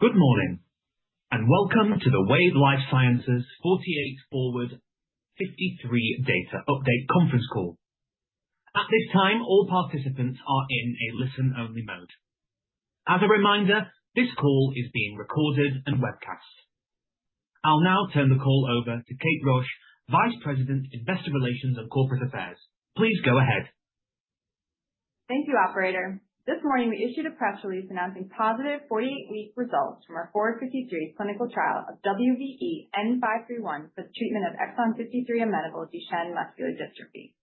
Good morning, and welcome to the Wave Life Sciences 48 FORWARD-53 Data Update conference call. At this time, all participants are in a listen-only mode. As a reminder, this call is being recorded and webcast. I'll now turn the call over to Kate Rausch, Vice President of Investor Relations and Corporate Affairs. Please go ahead. Thank you, Operator. This morning, we issued a press release announcing positive 48-week results from our FORWARD-53 clinical trial of WVE-N531 for the treatment of exon 53 amenable Duchenne muscular dystrophy.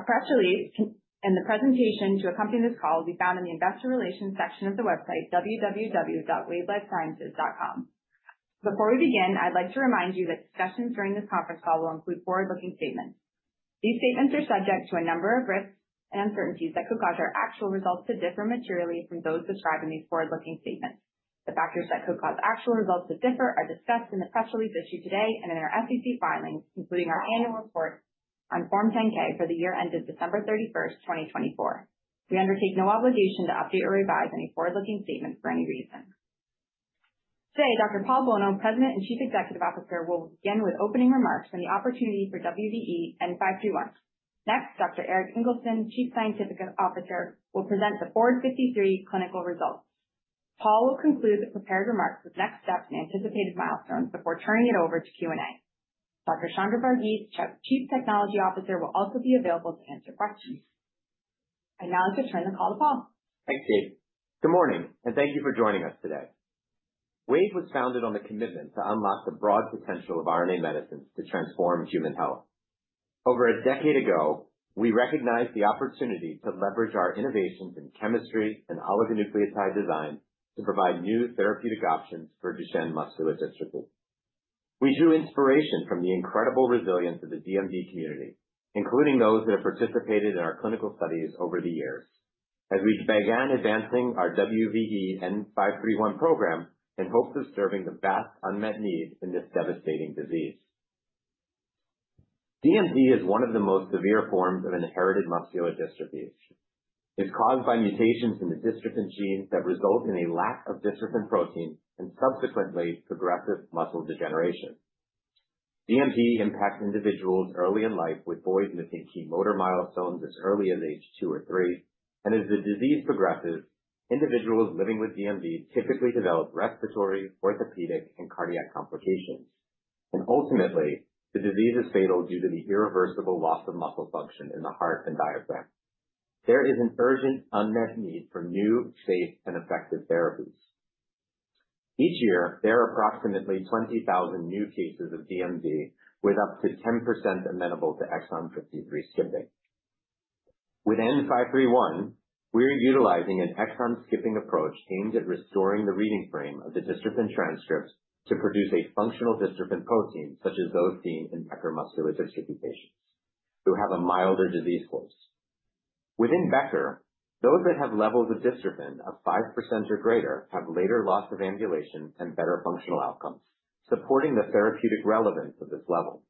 A press release and the presentation to accompany this call will be found in the Investor Relations section of the website, www.wavelifesciences.com. Before we begin, I'd like to remind you that discussions during this conference call will include forward-looking statements. These statements are subject to a number of risks and uncertainties that could cause our actual results to differ materially from those described in these forward-looking statements. The factors that could cause actual results to differ are discussed in the press release issued today and in our SEC filings, including our annual report on Form 10-K for the year ended December 31, 2024. We undertake no obligation to update or revise any forward-looking statements for any reason. Today, Dr. Paul Bolno, President and Chief Executive Officer, will begin with opening remarks on the opportunity for WVE-N531. Next, Dr. Erik Ingelsson, Chief Scientific Officer, will present the FORWARD-53 clinical results. Paul will conclude the prepared remarks with next steps and anticipated milestones before turning it over to Q&A. Dr. Chandra Vargeese, Chief Technology Officer, will also be available to answer questions. I'd now like to turn the call to Paul. Thanks, Kate. Good morning and thank you for joining us today. Wave was founded on the commitment to unlock the broad potential of RNA medicines to transform human health. Over a decade ago, we recognized the opportunity to leverage our innovations in chemistry and oligonucleotide design to provide new therapeutic options for Duchenne muscular dystrophy. We drew inspiration from the incredible resilience of the DMD community, including those that have participated in our clinical studies over the years, as we began advancing our WVE-N531 program in hopes of serving the vast unmet need in this devastating disease. DMD is one of the most severe forms of inherited muscular dystrophies. It's caused by mutations in the dystrophin genes that result in a lack of dystrophin protein and subsequently progressive muscle degeneration. DMD impacts individuals early in life, with boys missing key motor milestones as early as age two or three. As the disease progresses, individuals living with DMD typically develop respiratory, orthopedic, and cardiac complications. Ultimately, the disease is fatal due to the irreversible loss of muscle function in the heart and diaphragm. There is an urgent unmet need for new, safe, and effective therapies. Each year, there are approximately 20,000 new cases of DMD, with up to 10% amenable to exon 53 skipping. With N531, we're utilizing an exon skipping approach aimed at restoring the reading frame of the dystrophin transcript to produce a functional dystrophin protein, such as those seen in Becker muscular dystrophy patients who have a milder disease course. Within Becker, those that have levels of dystrophin of 5% or greater have later loss of ambulation and better functional outcomes, supporting the therapeutic relevance of this level.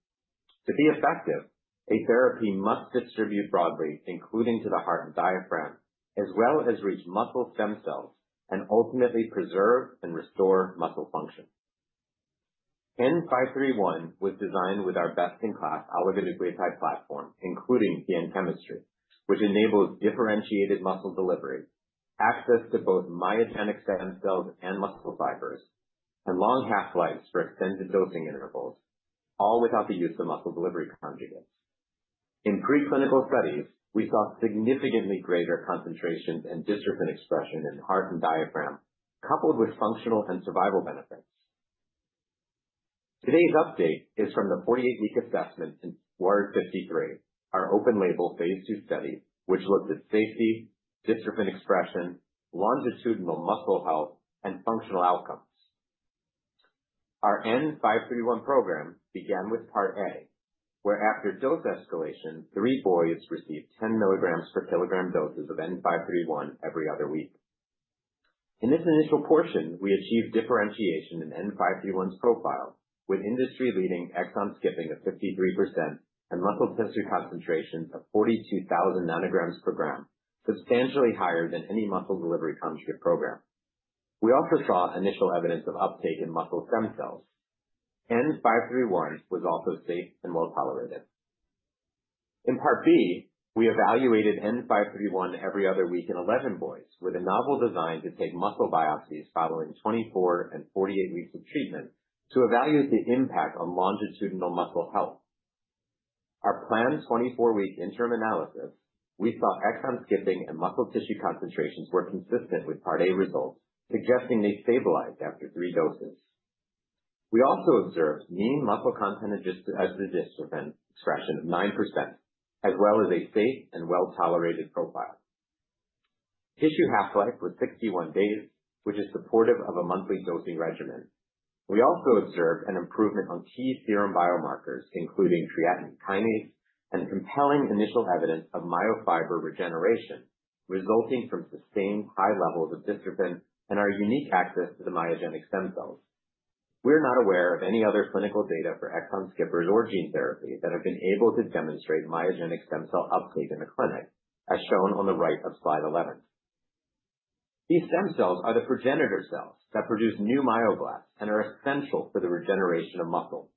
To be effective, a therapy must distribute broadly, including to the heart and diaphragm, as well as reach muscle stem cells and ultimately preserve and restore muscle function. N531 was designed with our best-in-class oligonucleotide platform, including PN chemistry, which enables differentiated muscle delivery, access to both myogenic stem cells and muscle fibers, and long half-lives for extended dosing intervals, all without the use of muscle delivery conjugates. In preclinical studies, we saw significantly greater concentrations and dystrophin expression in the heart and diaphragm, coupled with functional and survival benefits. Today's update is from the 48-week assessment in FORWARD-53, our open-label phase II study, which looked at safety, dystrophin expression, longitudinal muscle health, and functional outcomes. Our N531 program began with part A, where after dose escalation, three boys received 10 milligrams per kilogram doses of N531 every other week. In this initial portion, we achieved differentiation in N531's profile, with industry-leading exon skipping of 53% and muscle tissue concentrations of 42,000 nanograms per gram, substantially higher than any muscle delivery conjugate program. We also saw initial evidence of uptake in muscle stem cells. N531 was also safe and well tolerated. In part B, we evaluated N531 every other week in 11 boys, with a novel design to take muscle biopsies following 24 and 48 weeks of treatment to evaluate the impact on longitudinal muscle health. In our planned 24-week interim analysis, we saw exon skipping and muscle tissue concentrations were consistent with part A results, suggesting they stabilized after three doses. We also observed mean muscle content of the dystrophin expression of 9%, as well as a safe and well-tolerated profile. Tissue half-life was 61 days, which is supportive of a monthly dosing regimen. We also observed an improvement on key serum biomarkers, including creatine kinase, and compelling initial evidence of myofiber regeneration resulting from sustained high levels of dystrophin and our unique access to the myogenic stem cells. We're not aware of any other clinical data for exon skippers or gene therapy that have been able to demonstrate myogenic stem cell uptake in the clinic, as shown on the right of slide 11. These stem cells are the progenitor cells that produce new myoblasts and are essential for the regeneration of muscle.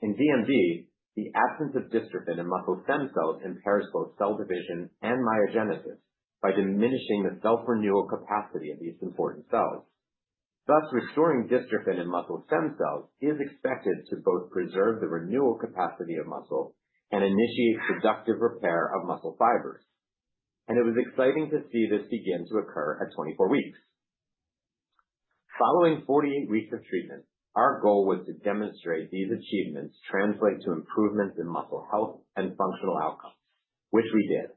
In DMD, the absence of dystrophin in muscle stem cells impairs both cell division and myogenesis by diminishing the self-renewal capacity of these important cells. Thus, restoring dystrophin in muscle stem cells is expected to both preserve the renewal capacity of muscle and initiate productive repair of muscle fibers. It was exciting to see this begin to occur at 24 weeks. Following 48 weeks of treatment, our goal was to demonstrate these achievements translate to improvements in muscle health and functional outcomes, which we did.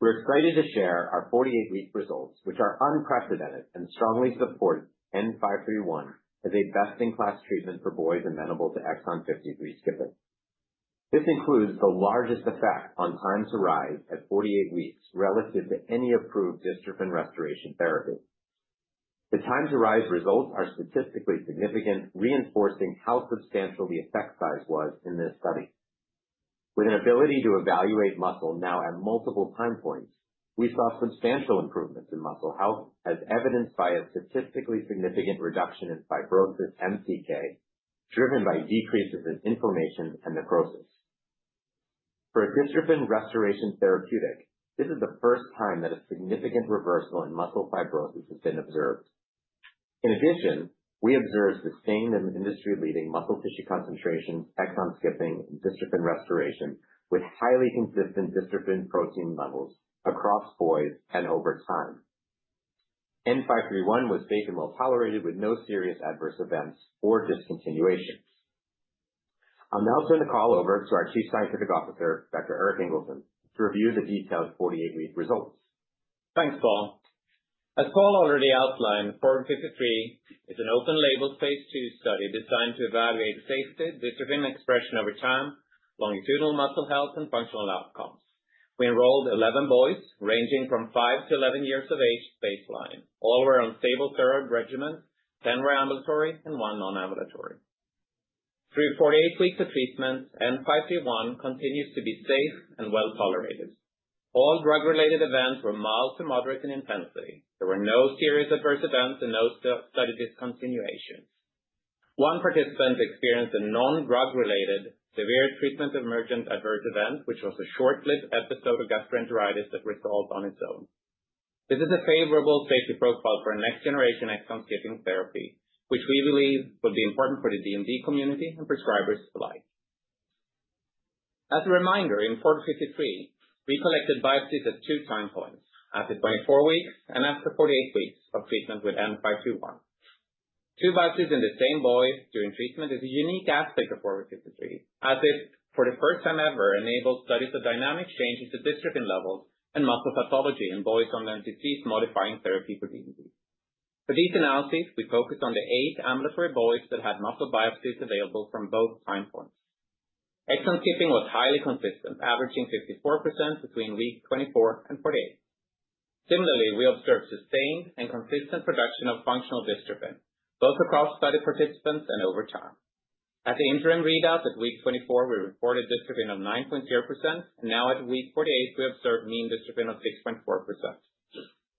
We're excited to share our 48-week results, which are unprecedented and strongly support N531 as a best-in-class treatment for boys amenable to exon 53 skipping. This includes the largest effect on Time-to-Rise at 48 weeks relative to any approved dystrophin restoration therapy. The Time-to-Rise results are statistically significant, reinforcing how substantial the effect size was in this study. With an ability to evaluate muscle now at multiple time points, we saw substantial improvements in muscle health, as evidenced by a statistically significant reduction in fibrosis and CK, driven by decreases in inflammation and necrosis. For a dystrophin restoration therapeutic, this is the first time that a significant reversal in muscle fibrosis has been observed. In addition, we observed sustained and industry-leading muscle tissue concentrations, exon skipping, and dystrophin restoration with highly consistent dystrophin protein levels across boys and over time. WVE-N531 was safe and well tolerated with no serious adverse events or discontinuations. I'll now turn the call over to our Chief Scientific Officer, Dr. Erik Ingelsson, to review the detailed 48-week results. Thanks, Paul. As Paul already outlined, FORWARD-53 is an open-label phase II study designed to evaluate safety, dystrophin expression over time, longitudinal muscle health, and functional outcomes. We enrolled 11 boys ranging from 5 to 11 years of age at baseline, all were on stable steroid regimens, 10 were ambulatory, and 1 non-ambulatory. Through 48 weeks of treatment, WVE-N531 continues to be safe and well tolerated. All drug-related events were mild to moderate in intensity. There were no serious adverse events and no study discontinuations. One participant experienced a non-drug-related severe treatment-emergent adverse event, which was a short-lived episode of gastroenteritis that resolved on its own. This is a favorable safety profile for next-generation exon skipping therapy, which we believe will be important for the DMD community and prescribers alike. As a reminder, in FORWARD-53, we collected biopsies at two time points, after 24 weeks and after 48 weeks of treatment with WVE-N531. Two biopsies in the same boy during treatment is a unique aspect of FORWARD-53, as it for the first time ever enabled studies of dynamic changes to dystrophin levels and muscle pathology in boys under disease-modifying therapy for DMD. For these analyses, we focused on the eight ambulatory boys that had muscle biopsies available from both time points. exon skipping was highly consistent, averaging 54% between week 24 and 48. Similarly, we observed sustained and consistent production of functional dystrophin, both across study participants and over time. At the interim readout at week 24, we reported dystrophin of 9.0%, and now at week 48, we observed mean dystrophin of 6.4%.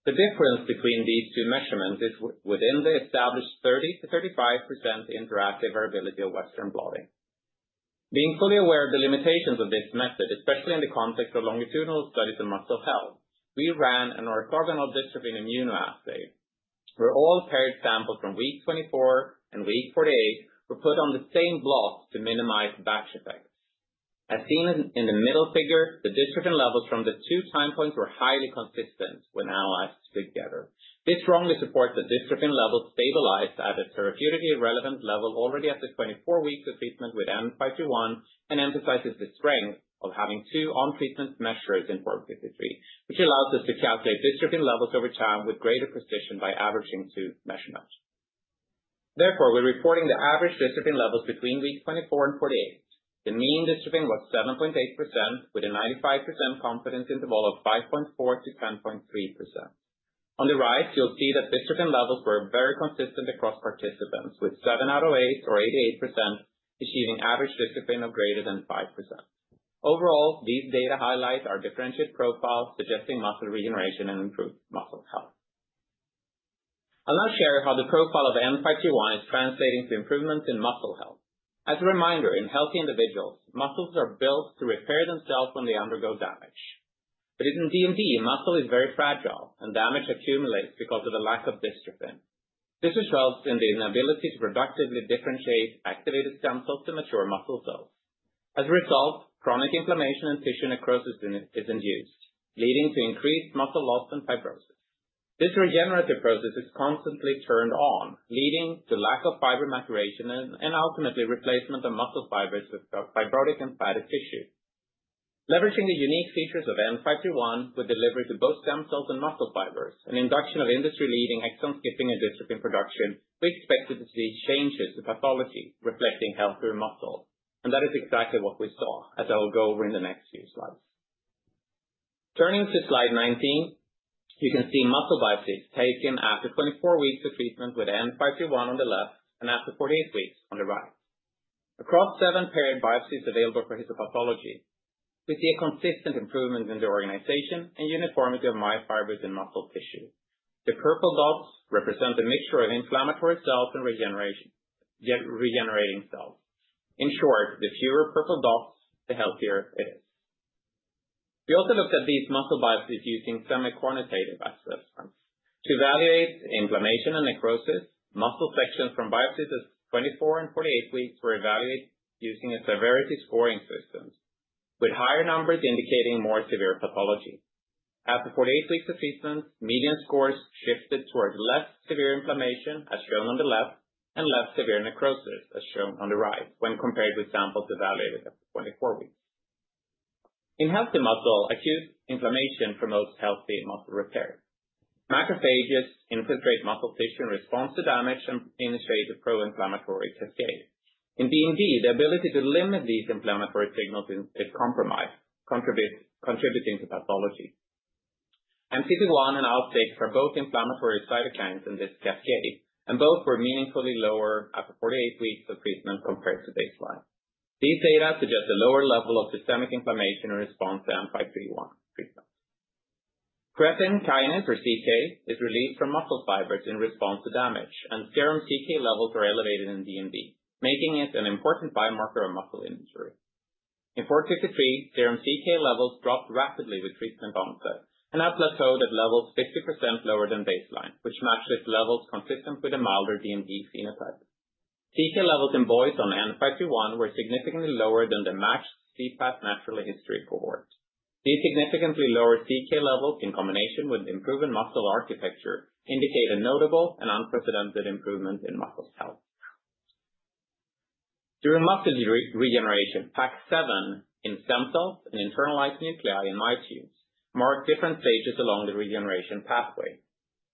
The difference between these two measurements is within the established 30%-35% interactive variability of Western blotting. Being fully aware of the limitations of this method, especially in the context of longitudinal studies of muscle health, we ran an orthogonal dystrophin immunoassay. Where all paired samples from week 24 and week 48 were put on the same blot to minimize batch effects. As seen in the middle figure, the dystrophin levels from the two time points were highly consistent when analyzed together. This strongly supports that dystrophin levels stabilized at a therapeutically relevant level already after 24 weeks of treatment with WVE-N531 and emphasizes the strength of having two on-treatment measures in FORWARD-53, which allows us to calculate dystrophin levels over time with greater precision by averaging two measurements. Therefore, we're reporting the average dystrophin levels between week 24 and 48. The mean dystrophin was 7.8%, with a 95% confidence interval of 5.4%-10.3%. On the right, you'll see that dystrophin levels were very consistent across participants, with 7 out of 8 or 88% achieving average dystrophin of greater than 5%. Overall, these data highlight our differentiated profile suggesting muscle regeneration and improved muscle health. I'll now share how the profile of N531 is translating to improvements in muscle health. As a reminder, in healthy individuals, muscles are built to repair themselves when they undergo damage. In DMD, muscle is very fragile, and damage accumulates because of the lack of dystrophin. This results in the inability to productively differentiate activated stem cells to mature muscle cells. As a result, chronic inflammation and tissue necrosis is induced, leading to increased muscle loss and fibrosis. This regenerative process is constantly turned on, leading to lack of fiber maturation and ultimately replacement of muscle fibers with fibrotic and fatty tissue. Leveraging the unique features of N531 with delivery to both stem cells and muscle fibers, and induction of industry-leading exon skipping and dystrophin production, we expected to see changes to pathology reflecting healthier muscle. That is exactly what we saw, as I'll go over in the next few slides. Turning to slide 19, you can see muscle biopsies taken after 24 weeks of treatment with N531 on the left and after 48 weeks on the right. Across seven paired biopsies available for histopathology, we see a consistent improvement in the organization and uniformity of myofibers in muscle tissue. The purple dots represent the mixture of inflammatory cells and regenerating cells. In short, the fewer purple dots, the healthier it is. We also looked at these muscle biopsies using semi-quantitative assessments. To evaluate inflammation and necrosis, muscle sections from biopsies at 24 and 48 weeks were evaluated using a severity scoring system, with higher numbers indicating more severe pathology. After 48 weeks of treatment, median scores shifted towards less severe inflammation, as shown on the left, and less severe necrosis, as shown on the right, when compared with samples evaluated at 24 weeks. In healthy muscle, acute inflammation promotes healthy muscle repair. Macrophages infiltrate muscle tissue and respond to damage and initiate a pro-inflammatory cascade. In DMD, the ability to limit these inflammatory signals is compromised, contributing to pathology. MCP-1 and IL-6 are both inflammatory cytokines in this cascade, and both were meaningfully lower after 48 weeks of treatment compared to baseline. These data suggest a lower level of systemic inflammation in response to N531 treatment. Creatine kinase or CK is released from muscle fibers in response to damage, and serum CK levels are elevated in DMD, making it an important biomarker of muscle injury. In FORWARD-53, serum CK levels dropped rapidly with treatment onset and have plateaued at levels 50% lower than baseline, which matches levels consistent with a milder DMD phenotype. CK levels in boys on N531 were significantly lower than the matched C-Path natural history cohort. These significantly lower CK levels in combination with improved muscle architecture indicate a notable and unprecedented improvement in muscle health. During muscle regeneration, Pax7 in stem cells and internalized nuclei in myofibers mark different stages along the regeneration pathway.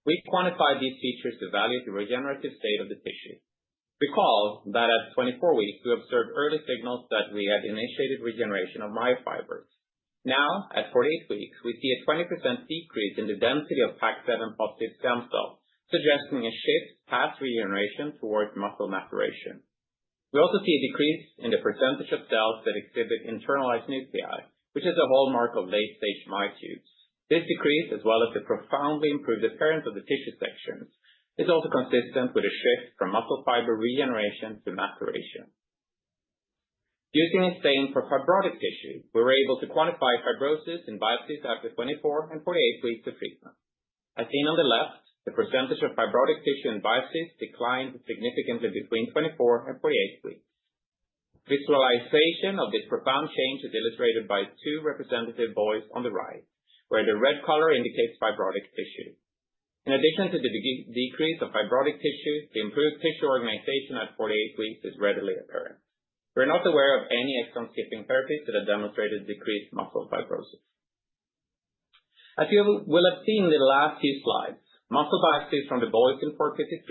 We quantified these features to evaluate the regenerative state of the tissue. Recall that at 24 weeks, we observed early signals that we had initiated regeneration of myofibers. Now, at 48 weeks, we see a 20% decrease in the density of Pax7-positive stem cells, suggesting a shift past regeneration towards muscle maturation. We also see a decrease in the percentage of cells that exhibit internalized nuclei, which is a hallmark of late-stage myotubes. This decrease, as well as the profoundly improved appearance of the tissue sections, is also consistent with a shift from muscle fiber regeneration to maturation. Using a stain for fibrotic tissue, we were able to quantify fibrosis in biopsies after 24 and 48 weeks of treatment. As seen on the left, the percentage of fibrotic tissue in biopsies declined significantly between 24 and 48 weeks. Visualization of this profound change is illustrated by two representative boys on the right, where the red color indicates fibrotic tissue. In addition to the decrease of fibrotic tissue, the improved tissue organization at 48 weeks is readily apparent. We're not aware of any exon skipping therapies that have demonstrated decreased muscle fibrosis. As you will have seen in the last few slides, muscle biopsies from the boys in FORWARD-53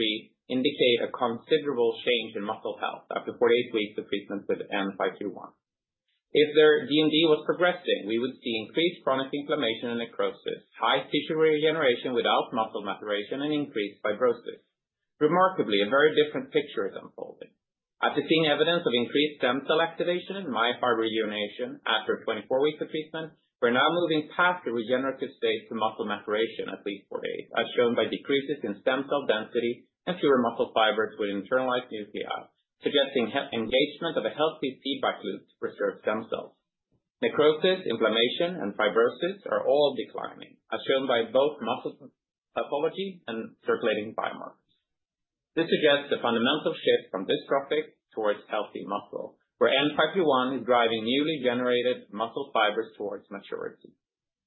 indicate a considerable change in muscle health after 48 weeks of treatment with WVE-N531. If their DMD was progressing, we would see increased chronic inflammation and necrosis, high tissue regeneration without muscle maturation, and increased fibrosis. Remarkably, a very different picture is unfolding. After seeing evidence of increased stem cell activation and myofiber rejuvenation after 24 weeks of treatment, we're now moving past the regenerative stage to muscle maturation at week 48, as shown by decreases in stem cell density and fewer muscle fibers with internalized nuclei, suggesting engagement of a healthy feedback loop to preserve stem cells. Necrosis, inflammation, and fibrosis are all declining, as shown by both muscle pathology and circulating biomarkers. This suggests a fundamental shift from dystrophic towards healthy muscle, where N531 is driving newly generated muscle fibers towards maturity.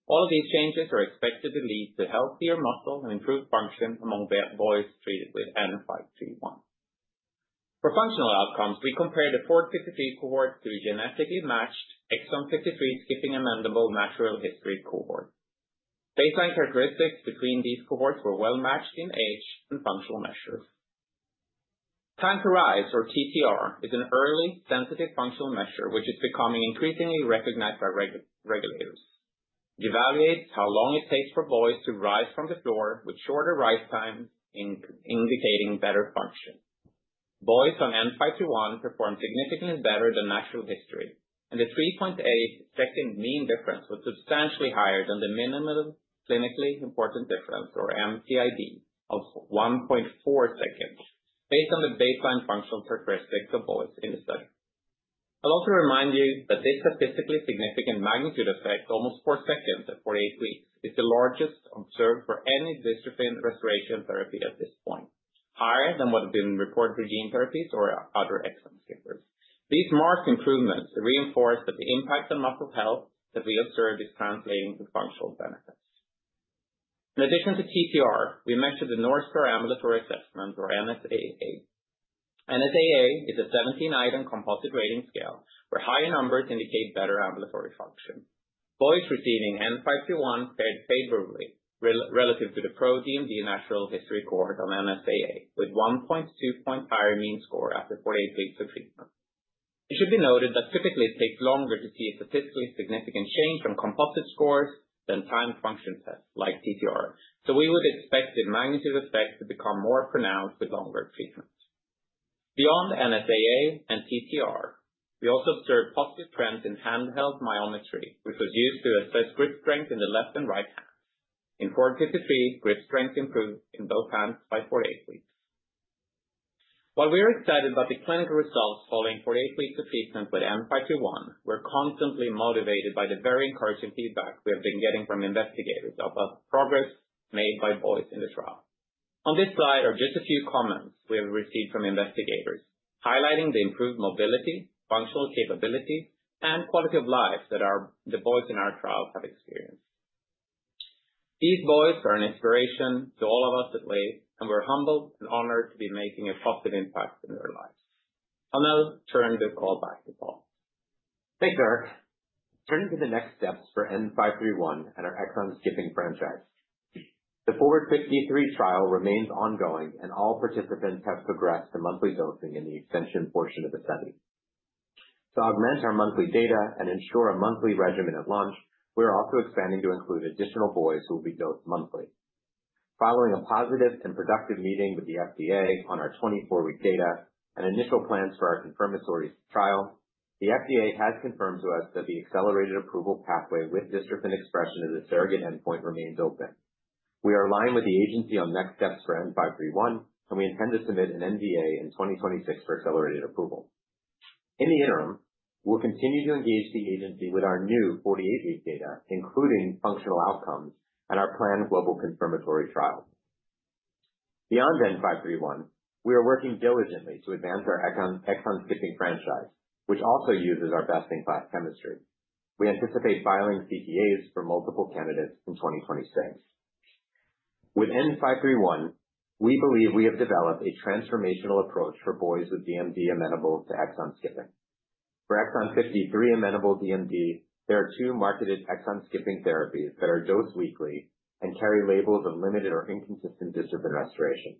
All of these changes are expected to lead to healthier muscle and improved function among boys treated with N531. For functional outcomes, we compared the FORWARD-53 cohort to a genetically matched exon 53 skipping amenable natural history cohort. Baseline characteristics between these cohorts were well matched in age and Time-to-Rise, or TTR, is an early sensitive functional measure, which is becoming increasingly recognized by regulators. It evaluates how long it takes for boys to rise from the floor, with shorter rise times indicating better function. Boys on N531 performed significantly better than natural history, and the 3.8-second mean difference was substantially higher than the minimal clinically important difference, or MCID, of 1.4 seconds, based on the baseline functional characteristics of boys in the study. I'll also remind you that this statistically significant magnitude effect, almost 4 seconds at 48 weeks, is the largest observed for any dystrophin restoration therapy at this point, higher than what had been reported for gene therapies or other exon skippers. These marked improvements reinforce that the impact on muscle health that we observed is translating to functional benefits. In addition to TTR, we measured the North Star Ambulatory Assessment, or NSAA. NSAA is a 17-item composite rating scale, where higher numbers indicate better ambulatory function. Boys receiving N531 fared favorably relative to the PRO-DMD natural history cohort on NSAA, with 1.2 points higher mean score after 48 weeks of treatment. It should be noted that typically it takes longer to see a statistically significant change from composite scores than timed function tests like TTR, so we would expect the magnitude effect to become more pronounced with longer treatment. Beyond NSAA and TTR, we also observed positive trends in handheld myometry, which was used to assess grip strength in the left and right hands. In FORWARD-53, grip strength improved in both hands by 48 weeks. While we are excited about the clinical results following 48 weeks of treatment with N531, we're constantly motivated by the very encouraging feedback we have been getting from investigators about the progress made by boys in the trial. On this slide are just a few comments we have received from investigators, highlighting the improved mobility, functional capabilities, and quality of life that the boys in our trial have experienced. These boys are an inspiration to all of us at Wave, and we're humbled and honored to be making a positive impact in their lives. I'll now turn the call back to Paul. Thanks, Erik. Turning to the next steps for N531 and our exon skipping franchise. The FORWARD-53 trial remains ongoing, and all participants have progressed to monthly dosing in the extension portion of the study. To augment our monthly data and ensure a monthly regimen at launch, we're also expanding to include additional boys who will be dosed monthly. Following a positive and productive meeting with the FDA on our 24-week data and initial plans for our confirmatory trial, the FDA has confirmed to us that the accelerated approval pathway with dystrophin expression as a surrogate endpoint remains open. We are aligned with the agency on next steps for N531, and we intend to submit an NDA in 2026 for accelerated approval. In the interim, we'll continue to engage the agency with our new 48-week data, including functional outcomes and our planned global confirmatory trial. Beyond N531, we are working diligently to advance our exon skipping franchise, which also uses our best-in-class chemistry. We anticipate filing CTAs for multiple candidates in 2026. With N531, we believe we have developed a transformational approach for boys with DMD amenable to exon skipping. For exon 53 amenable DMD, there are two marketed exon skipping therapies that are dosed weekly and carry labels of limited or inconsistent dystrophin restoration.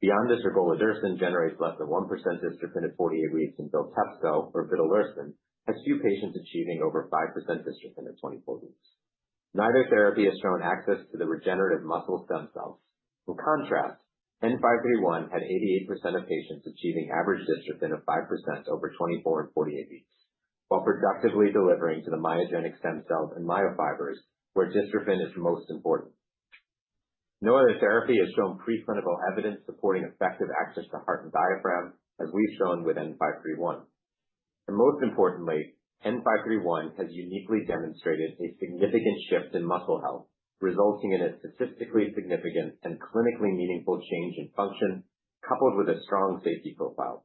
Beyond this, VYONDYS 53 generates less than 1% dystrophin at 48 weeks, while AMONDYS 45, or golodirsen, has few patients achieving over 5% dystrophin at 24 weeks. Neither therapy has shown access to the regenerative muscle stem cells. In contrast, N531 had 88% of patients achieving average dystrophin of 5% over 24 and 48 weeks, while productively delivering to the myogenic stem cells and myofibers, where dystrophin is most important. No other therapy has shown preclinical evidence supporting effective access to heart and diaphragm, as we've shown with N531. Most importantly, N531 has uniquely demonstrated a significant shift in muscle health, resulting in a statistically significant and clinically meaningful change in function, coupled with a strong safety profile.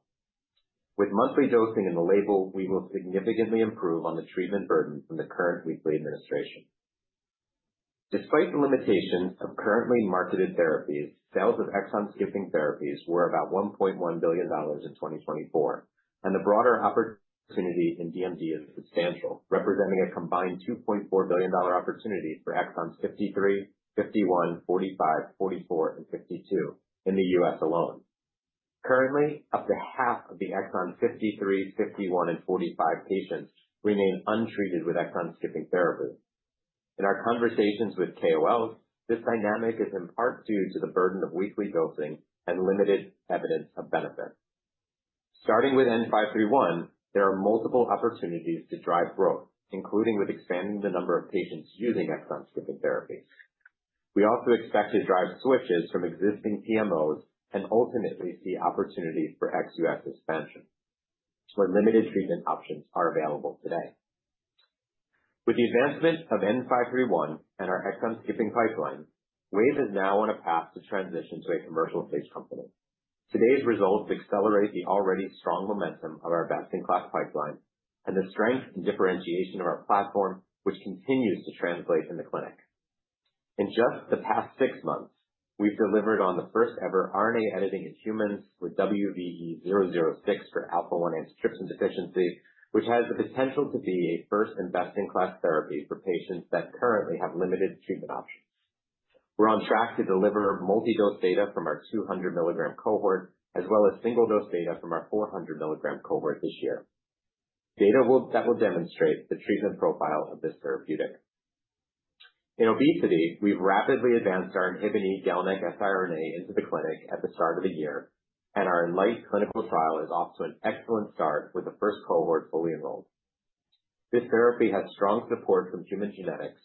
With monthly dosing in the label, we will significantly improve on the treatment burden from the current weekly administration. Despite the limitations of currently marketed therapies, sales of exon skipping therapies were about $1.1 billion in 2024, and the broader opportunity in DMD is substantial, representing a combined $2.4 billion opportunity for exons 53, 51, 45, 44, and 52 in the U.S. alone. Currently, up to half of the exons 53, 51, and 45 patients remain untreated with exon skipping therapy. In our conversations with KOLs, this dynamic is in part due to the burden of weekly dosing and limited evidence of benefit. Starting with N531, there are multiple opportunities to drive growth, including with expanding the number of patients using exon skipping therapies. We also expect to drive switches from existing PMOs and ultimately see opportunities for ex-U.S. expansion, where limited treatment options are available today. With the advancement of N531 and our exon skipping pipeline, Wave is now on a path to transition to a commercial-stage company. Today's results accelerate the already strong momentum of our best-in-class pipeline and the strength and differentiation of our platform, which continues to translate in the clinic. In just the past six months, we've delivered on the first-ever RNA editing in humans with WVE-006 for alpha-1 antitrypsin deficiency, which has the potential to be a first-in best-in-class therapy for patients that currently have limited treatment options. We're on track to deliver multi-dose data from our 200 mg cohort, as well as single-dose data from our 400 mg cohort this year. Data will demonstrate the treatment profile of this therapeutic. In obesity, we've rapidly advanced our inhibin GalNAc-siRNA into the clinic at the start of the year, and our INLIGHT clinical trial is off to an excellent start with the first cohort fully enrolled. This therapy has strong support from human genetics,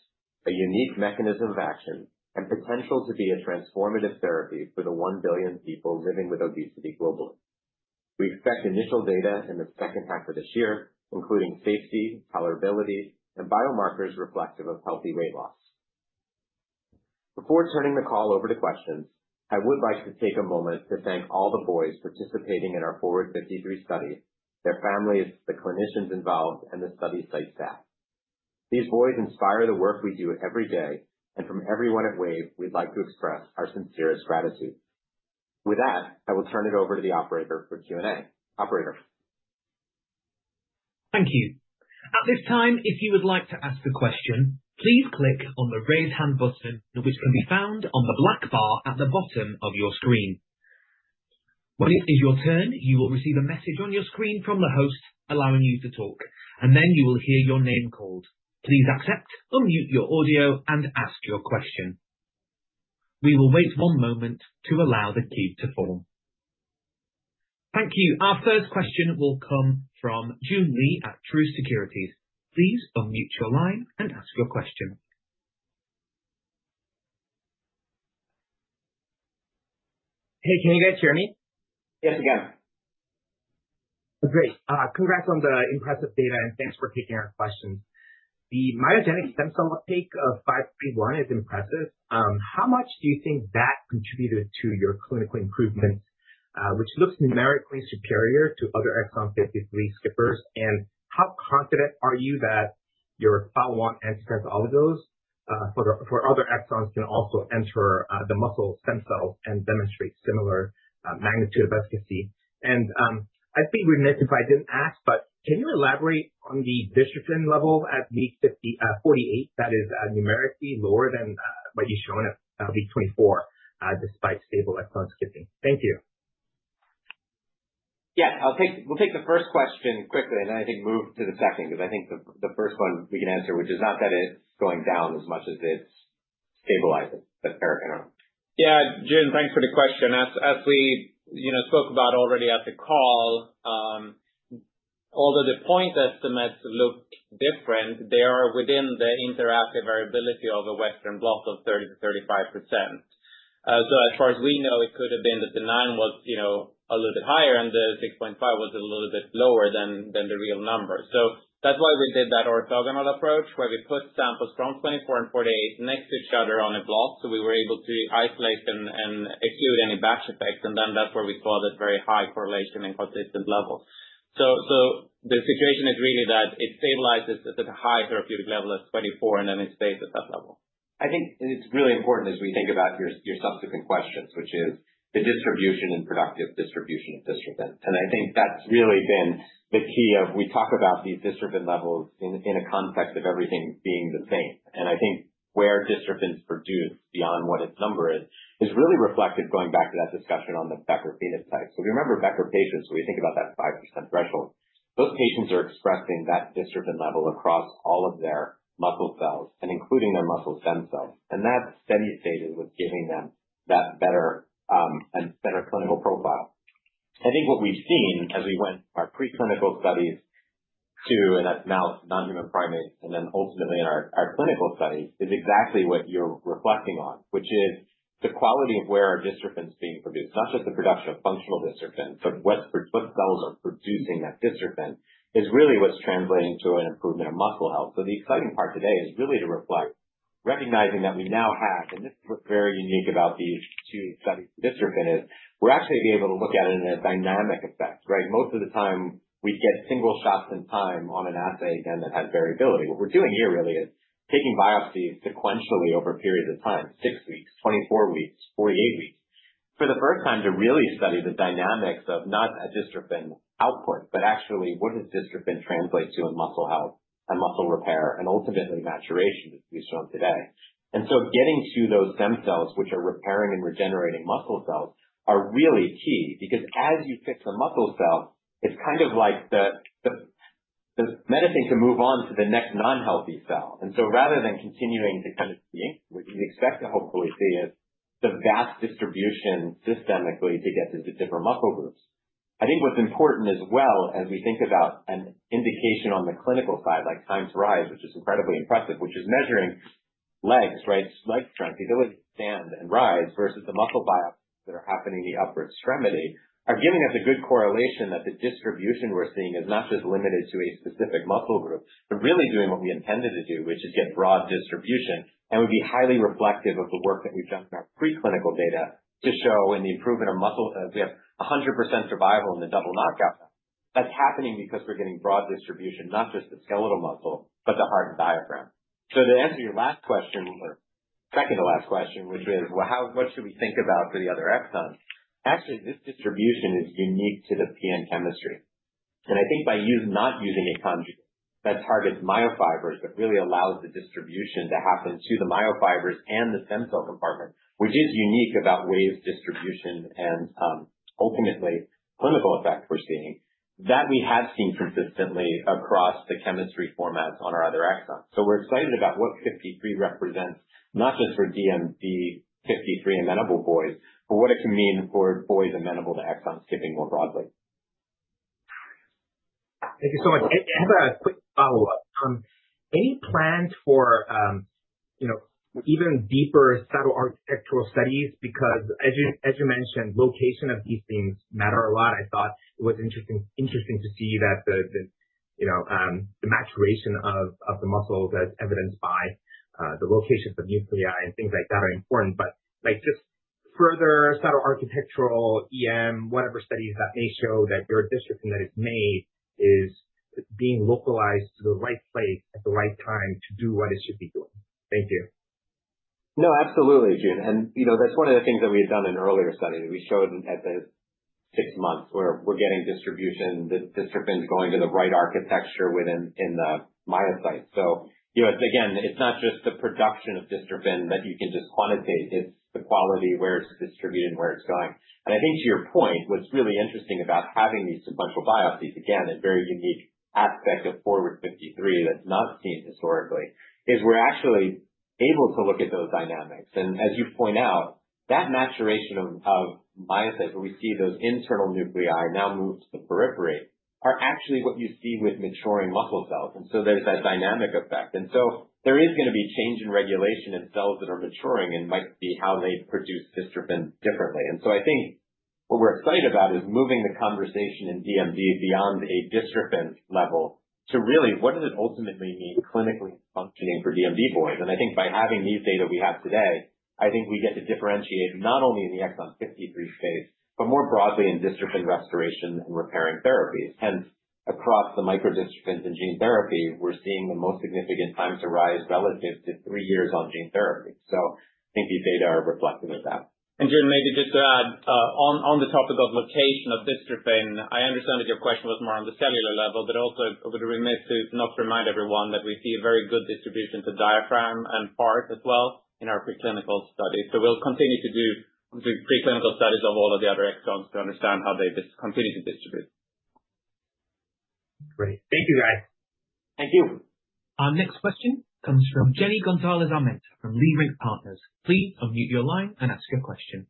a unique mechanism of action, and potential to be a transformative therapy for the 1 billion people living with obesity globally. We expect initial data in the second half of this year, including safety, tolerability, and biomarkers reflective of healthy weight loss. Before turning the call over to questions, I would like to take a moment to thank all the boys participating in our FORWARD-53 study, their families, the clinicians involved, and the study site staff. These boys inspire the work we do every day, and from everyone at Wave, we'd like to express our sincerest gratitude. With that, I will turn it over to the operator for Q&A. Operator. Thank you. At this time, if you would like to ask a question, please click on the raise hand button, which can be found on the black bar at the bottom of your screen. When it is your turn, you will receive a message on your screen from the host allowing you to talk, and then you will hear your name called. Please accept, unmute your audio, and ask your question. We will wait one moment to allow the queue to form. Thank you. Our first question will come from Joon Lee at Truist Securities. Please unmute your line and ask your question. Hey, can you guys hear me? Yes, we can. Great. Congrats on the impressive data, and thanks for taking our questions. The myogenic stem cell uptake of 531 is impressive. How much do you think that contributed to your clinical improvements, which looks numerically superior to other exon 53 skippers? How confident are you that your Alpha-1 antitrypsin oligos for other exons can also enter the muscle stem cells and demonstrate similar magnitude of efficacy? I'd be remiss if I didn't ask, but can you elaborate on the dystrophin level at week 48 that is numerically lower than what you've shown at week 24, despite stable exon skipping? Thank you. Yeah, I'll take the first question quickly, and then I think move to the second, because I think the first one we can answer, which is not that it's going down as much as it's stabilizing. Erik, I don't know. Yeah, Joon, thanks for the question. As we spoke about already at the call, although the point estimates look different, they are within the interactive variability of a Western blot of 30%-35%. As far as we know, it could have been that the 9 was a little bit higher, and the 6.5 was a little bit lower than the real number. That is why we did that orthogonal approach, where we put samples from 24 and 48 next to each other on a blot, so we were able to isolate and exclude any batch effect. That is where we saw that very high correlation and consistent levels. The situation is really that it stabilizes at the high therapeutic level at 24, and then it stays at that level. I think it is really important as we think about your subsequent questions, which is the distribution and productive distribution of dystrophin. I think that has really been the key of we talk about these dystrophin levels in a context of everything being the same. I think where dystrophin is produced beyond what its number is, is really reflected going back to that discussion on the Becker phenotypes. If you remember Becker patients, when we think about that 5% threshold, those patients are expressing that dystrophin level across all of their muscle cells, including their muscle stem cells. That steady state is what's giving them that better clinical profile. I think what we've seen as we went from our preclinical studies to, and that's now non-human primates, and then ultimately in our clinical studies, is exactly what you're reflecting on, which is the quality of where our dystrophin is being produced. Not just the production of functional dystrophin, but what cells are producing that dystrophin is really what's translating to an improvement in muscle health. The exciting part today is really to reflect, recognizing that we now have, and this is what's very unique about these two studies for dystrophin, is we're actually able to look at it in a dynamic effect, right? Most of the time, we get single shots in time on an assay again that has variability. What we're doing here really is taking biopsies sequentially over periods of time, six weeks, 24 weeks, 48 weeks, for the first time to really study the dynamics of not a dystrophin output, but actually what does dystrophin translate to in muscle health and muscle repair and ultimately maturation, as we've shown today. Getting to those stem cells, which are repairing and regenerating muscle cells, are really key because as you fix a muscle cell, it's kind of like the medicine to move on to the next non-healthy cell. Rather than continuing to kind of see, which we expect to hopefully see, is the vast distribution systemically to get to different muscle groups. I think what's important as well as we think about an indication on the clinical side, like Time-to-Rise, which is incredibly impressive, which is measuring legs, right? Leg strength, the ability to stand and rise versus the muscle biopsies that are happening in the upper extremity are giving us a good correlation that the distribution we're seeing is not just limited to a specific muscle group, but really doing what we intended to do, which is get broad distribution, and would be highly reflective of the work that we've done in our preclinical data to show in the improvement of muscle. We have 100% survival in the double knockout that's happening because we're getting broad distribution, not just the skeletal muscle, but the heart and diaphragm. To answer your last question, or second to last question, which is, what should we think about for the other exons? Actually, this distribution is unique to the PN chemistry. I think by not using a conjugate that targets myofibers but really allows the distribution to happen to the myofibers and the stem cell compartment, which is unique about Wave's distribution and ultimately clinical effect we're seeing, that we have seen consistently across the chemistry formats on our other exons. We are excited about what 53 represents, not just for DMD 53 amenable boys, but what it can mean for boys amenable to exon skipping more broadly. Thank you so much. I have a quick follow-up. Any plans for even deeper subtle architectural studies? Because as you mentioned, location of these things matter a lot. I thought it was interesting to see that the maturation of the muscles, as evidenced by the locations of nuclei and things like that, are important. Just further subtle architectural EM, whatever studies that may show that your dystrophin that is made is being localized to the right place at the right time to do what it should be doing. Thank you. No, absolutely, Joon. That is one of the things that we had done in earlier studies. We showed at the six months where we are getting distribution, the dystrophin is going to the right architecture within the myocyte. Again, it is not just the production of dystrophin that you can just quantitate. It is the quality where it is distributed and where it is going. I think to your point, what's really interesting about having these sequential biopsies, again, a very unique aspect of FORWARD-53 that's not seen historically, is we're actually able to look at those dynamics. As you point out, that maturation of myocyte, where we see those internal nuclei now moved to the periphery, are actually what you see with maturing muscle cells. There is that dynamic effect. There is going to be change in regulation in cells that are maturing and might be how they produce dystrophin differently. I think what we're excited about is moving the conversation in DMD beyond a dystrophin level to really, what does it ultimately mean clinically and functioning for DMD boys? I think by having these data we have today, I think we get to differentiate not only in the exon 53 space, but more broadly in dystrophin restoration and repairing therapies. Hence, across the microdystrophins in gene therapy, we're seeing the most significant Time-to-Rise relative to three years on gene therapy. I think these data are reflective of that. Joon, maybe just to add, on the topic of location of dystrophin, I understand that your question was more on the cellular level, but also would remit to not to remind everyone that we see a very good distribution to diaphragm and heart as well in our preclinical studies. We'll continue to do preclinical studies of all of the other exons to understand how they continue to distribute. Great. Thank you, guys. Thank you. Our next question comes from Jenny Gonzalez-Armenta from Leerink Partners. Please unmute your line and ask your question.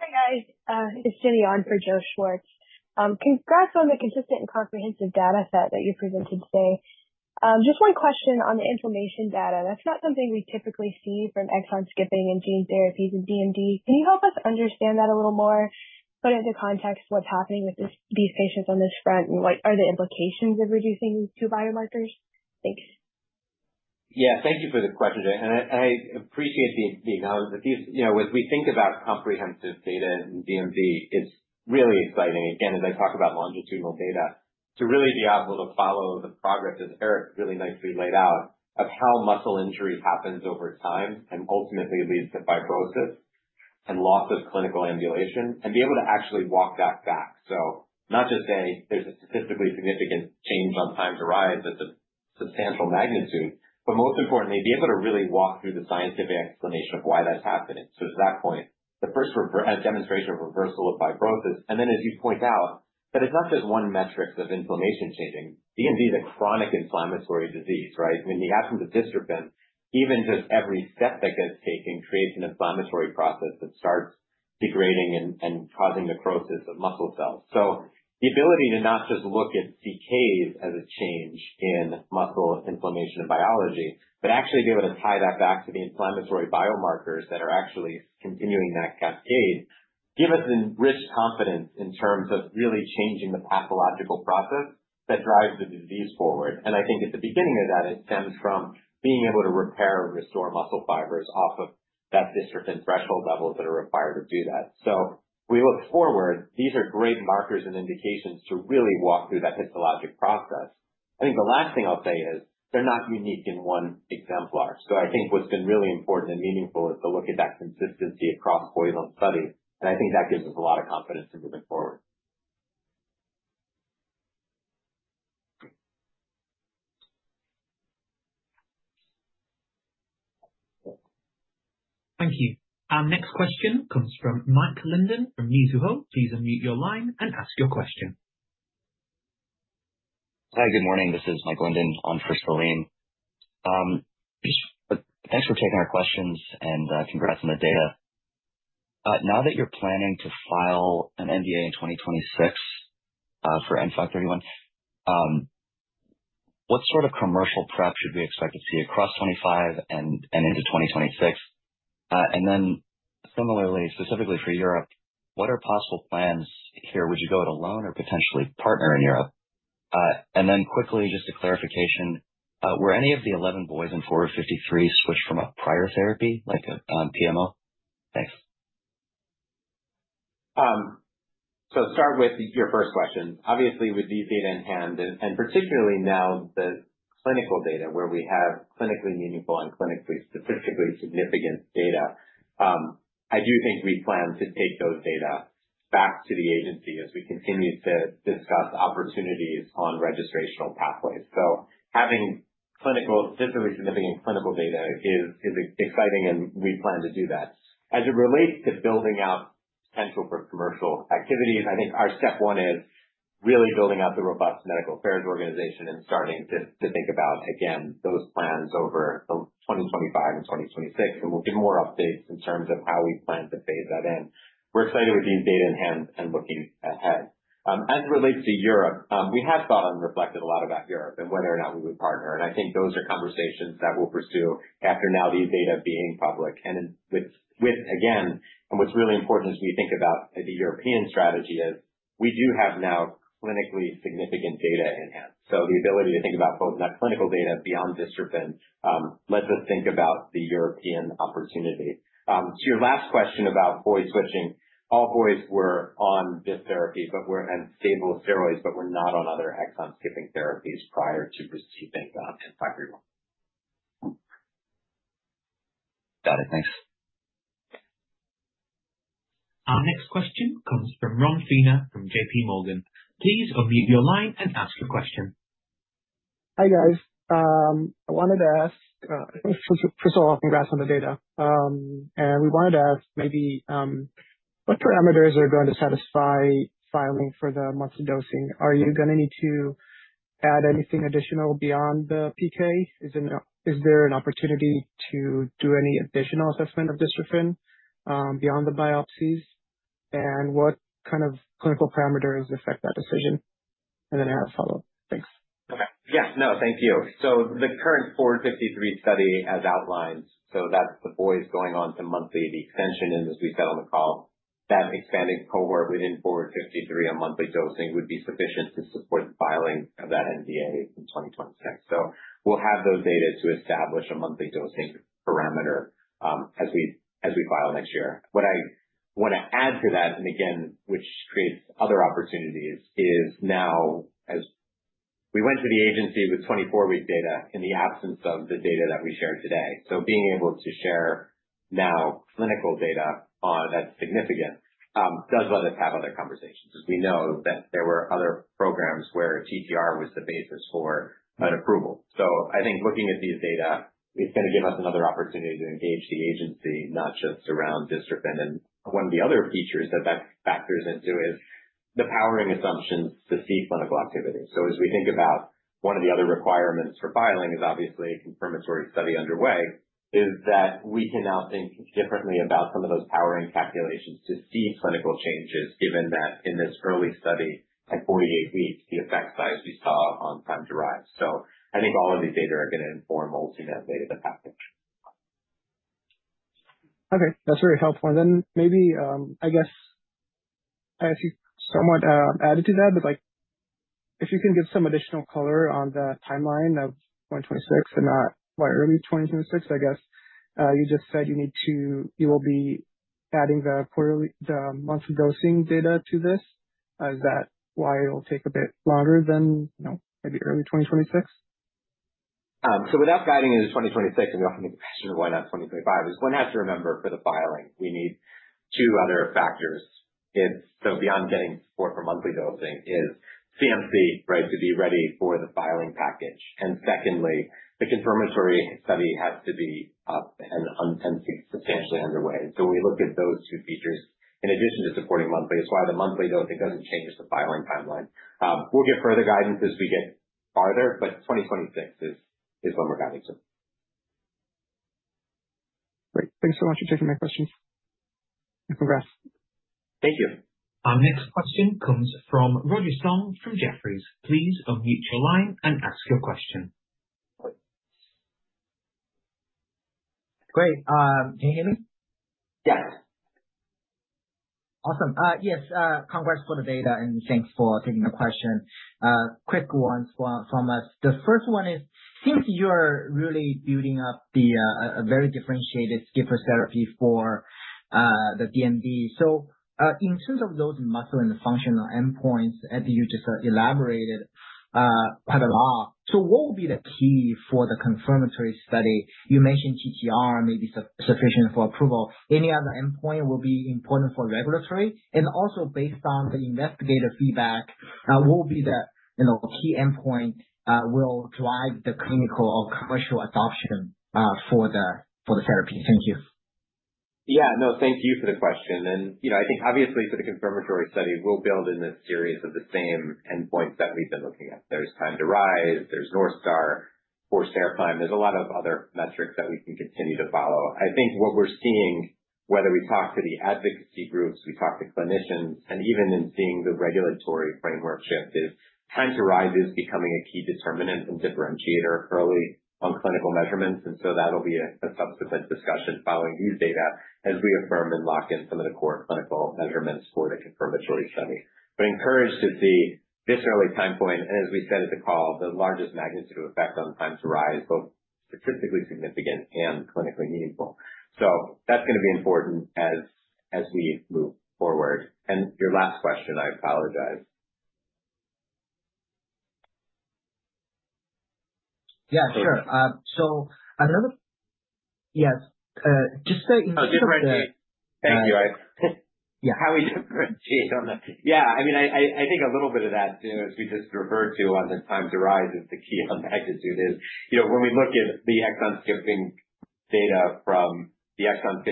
Hi, guys. It's Jenny on for Joe Schwartz. Congrats on the consistent and comprehensive data set that you presented today. Just one question on the inflammation data. That's not something we typically see from exon skipping and gene therapies in DMD. Can you help us understand that a little more, put it into context what's happening with these patients on this front, and what are the implications of reducing these two biomarkers? Thanks. Yeah, thank you for the question. I appreciate the acknowledgment. As we think about comprehensive data in DMD, it's really exciting, again, as I talk about longitudinal data, to really be able to follow the progress, as Erik really nicely laid out, of how muscle injury happens over time and ultimately leads to fibrosis and loss of clinical ambulation, and be able to actually walk that back. Not just say there's a statistically significant change on Time-to-Rise at the substantial magnitude, but most importantly, be able to really walk through the scientific explanation of why that's happening. To that point, the first demonstration of reversal of fibrosis. And then, as you point out, that it's not just one metric of inflammation changing. DMD is a chronic inflammatory disease, right? In the absence of dystrophin, even just every step that gets taken creates an inflammatory process that starts degrading and causing necrosis of muscle cells. The ability to not just look at decays as a change in muscle inflammation and biology, but actually be able to tie that back to the inflammatory biomarkers that are actually continuing that cascade, gives us enriched confidence in terms of really changing the pathological process that drives the disease forward. I think at the beginning of that, it stems from being able to repair and restore muscle fibers off of that dystrophin threshold levels that are required to do that. We look forward. These are great markers and indications to really walk through that histologic process. I think the last thing I'll say is they're not unique in one exemplar. I think what's been really important and meaningful is to look at that consistency across boys on studies. I think that gives us a lot of confidence in moving forward. Thank you. Our next question comes from Mike Linden from Mizuho. Please unmute your line and ask your question. Hi, good morning. This is Mike Linden on for Salim. Thanks for taking our questions and congrats on the data. Now that you're planning to file an NDA in 2026 for N531, what sort of commercial prep should we expect to see across 2025 and into 2026? Similarly, specifically for Europe, what are possible plans here? Would you go it alone or potentially partner in Europe? Quickly, just a clarification, were any of the 11 boys in FORWARD-53 switched from a prior therapy, like a PMO? Thanks. Start with your first question. Obviously, with these data in hand, and particularly now the clinical data where we have clinically meaningful and clinically statistically significant data, I do think we plan to take those data back to the agency as we continue to discuss opportunities on registrational pathways. Having statistically significant clinical data is exciting, and we plan to do that. As it relates to building out potential for commercial activities, I think our step one is really building out the robust medical affairs organization and starting to think about, again, those plans over 2025 and 2026. We'll get more updates in terms of how we plan to phase that in. We're excited with these data in hand and looking ahead. As it relates to Europe, we have thought and reflected a lot about Europe and whether or not we would partner. I think those are conversations that we'll pursue after now these data being public. What's really important as we think about the European strategy is we do have now clinically significant data in hand. The ability to think about both in that clinical data beyond dystrophin lets us think about the European opportunity. To your last question about boys switching, all boys were on this therapy and stable steroids, but were not on other exon skipping therapies prior to receiving N531. Got it. Thanks. Our next question comes from Ron Feiner from JPMorgan. Please unmute your line and ask your question. Hi, guys. I wanted to ask, first of all, congrats on the data. And we wanted to ask maybe what parameters are going to satisfy filing for the months of dosing? Are you going to need to add anything additional beyond the PK? Is there an opportunity to do any additional assessment of dystrophin beyond the biopsies? And what kind of clinical parameters affect that decision? And then I have a follow-up. Thanks. Okay. Yeah. No, thank you. The current FORWARD-53 study, as outlined, so that's the boys going on to monthly. The extension is, as we said on the call, that expanded cohort within FORWARD-53 on monthly dosing would be sufficient to support the filing of that NDA in 2026. We will have those data to establish a monthly dosing parameter as we file next year. What I want to add to that, and again, which creates other opportunities, is now as we went to the agency with 24-week data in the absence of the data that we shared today. Being able to share now clinical data that's significant does let us have other conversations as we know that there were other programs where TTR was the basis for an approval. I think looking at these data, it's going to give us another opportunity to engage the agency, not just around dystrophin. One of the other features that factors into is the powering assumptions to see clinical activity. As we think about one of the other requirements for filing is obviously a confirmatory study underway, we can now think differently about some of those powering calculations to see clinical changes, given that in this early study at 48 weeks, the effect size we saw on Time-to-Rise. I think all of these data are going to inform ultimately the pathway. Okay. That's very helpful. Maybe, I guess you somewhat added to that, but if you can give some additional color on the timeline of 2026 and not quite early 2026, I guess you just said you will be adding the months of dosing data to this. Is that why it'll take a bit longer than maybe early 2026? Without guiding into 2026, and you'll have to make a question of why not 2025, one has to remember for the filing, we need two other factors. Beyond getting support for monthly dosing is CMC, right, to be ready for the filing package. Secondly, the confirmatory study has to be substantially underway. When we look at those two features, in addition to supporting monthly, it's why the monthly dosing doesn't change the filing timeline. We'll get further guidance as we get farther, but 2026 is when we're guiding to. Great. Thanks so much for taking my questions. Congrats. Thank you. Our next question comes from Roger Song from Jefferies. Please unmute your line and ask your question. Great. Can you hear me? Yes. Awesome. Yes. Congrats for the data, and thanks for taking the question. Quick ones from us. The first one is, since you're really building up a very differentiated skipper's therapy for the DMD, so in terms of those muscle and functional endpoints that you just elaborated quite a lot, what will be the key for the confirmatory study? You mentioned TTR may be sufficient for approval. Any other endpoint will be important for regulatory? Also, based on the investigator feedback, what will be the key endpoint will drive the clinical or commercial adoption for the therapy? Thank you. Yeah. No, thank you for the question. I think obviously for the confirmatory study, we'll build in this series of the same endpoints that we've been looking at. There's Time-to-Rise, there's North Star, 4-Stair Climb. There's a lot of other metrics that we can continue to follow. I think what we're seeing, whether we talk to the advocacy groups, we talk to clinicians, and even in seeing the regulatory framework shift, is Time-to-Rise is becoming a key determinant and differentiator early on clinical measurements. That'll be a subsequent discussion following these data as we affirm and lock in some of the core clinical measurements for the confirmatory study. Encouraged to see this early time point, and as we said at the call, the largest magnitude of effect on Time-to-Rise, both statistically significant and clinically meaningful. That's going to be important as we move forward. Your last question, I apologize. Yeah, sure. Another, yes, just to. Oh, differentiate. Thank you. Yeah. How we differentiate on the, yeah, I mean, I think a little bit of that too, as we just referred to on the Time-to-Rise is the key on magnitude is when we look at the exon skipping data from the exon 53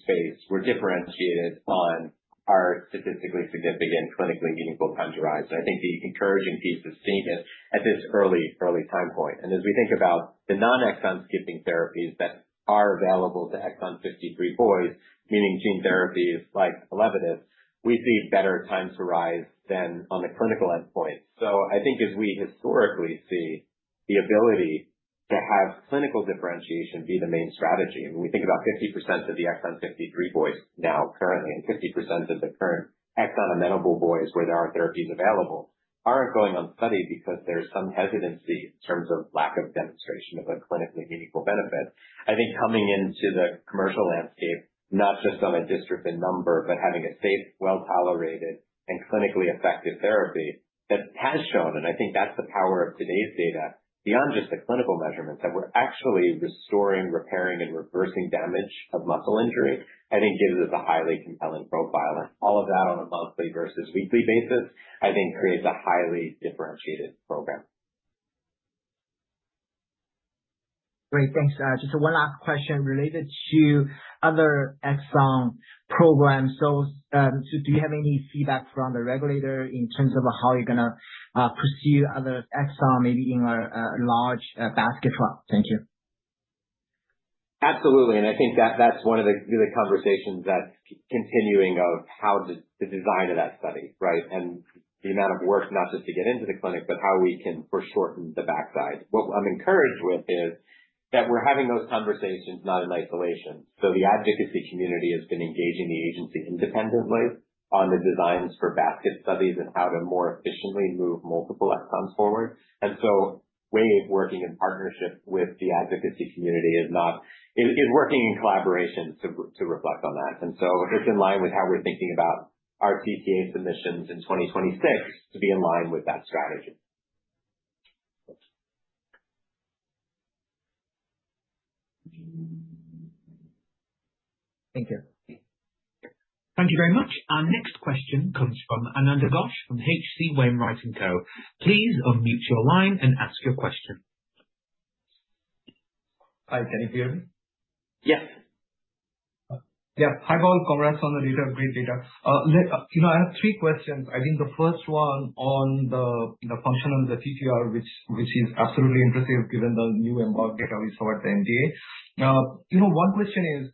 space, we're differentiated on our statistically significant clinically meaningful Time-to-Rise. I think the encouraging piece is seeing it at this early, early time point. As we think about the non-exon skipping therapies that are available to exon 53 boys, meaning gene therapies like Elevidys, we see better Time-to-Rise than on the clinical endpoint. I think as we historically see the ability to have clinical differentiation be the main strategy, and we think about 50% of the exon 53 boys now currently and 50% of the current exon amenable boys where there are therapies available aren't going on study because there's some hesitancy in terms of lack of demonstration of a clinically meaningful benefit. I think coming into the commercial landscape, not just on a dystrophin number, but having a safe, well-tolerated, and clinically effective therapy that has shown, and I think that's the power of today's data beyond just the clinical measurements, that we're actually restoring, repairing, and reversing damage of muscle injury, I think gives us a highly compelling profile. All of that on a monthly versus weekly basis, I think creates a highly differentiated program. Great. Thanks. Just one last question related to other exon programs. Do you have any feedback from the regulator in terms of how you're going to pursue other exon, maybe in a large basket trial? Thank you. Absolutely. I think that that's one of the conversations that's continuing of how the design of that study, right? The amount of work not just to get into the clinic, but how we can shorten the backside. What I'm encouraged with is that we're having those conversations not in isolation. The advocacy community has been engaging the agency independently on the designs for basket studies and how to more efficiently move multiple exons forward. Wave working in partnership with the advocacy community is working in collaboration to reflect on that. It's in line with how we're thinking about our CTA submissions in 2026 to be in line with that strategy. Thank you. Thank you very much. Our next question comes from Ananda Ghosh from H.C. Wainwright & Co. Please unmute your line and ask your question. Hi, can you hear me? Yes. Yeah. Hi, Paul. Congrats on the data. Great data. I have three questions. I think the first one on the function of the TTR, which is absolutely impressive given the new EMBARK data we saw at the NDA. One question is,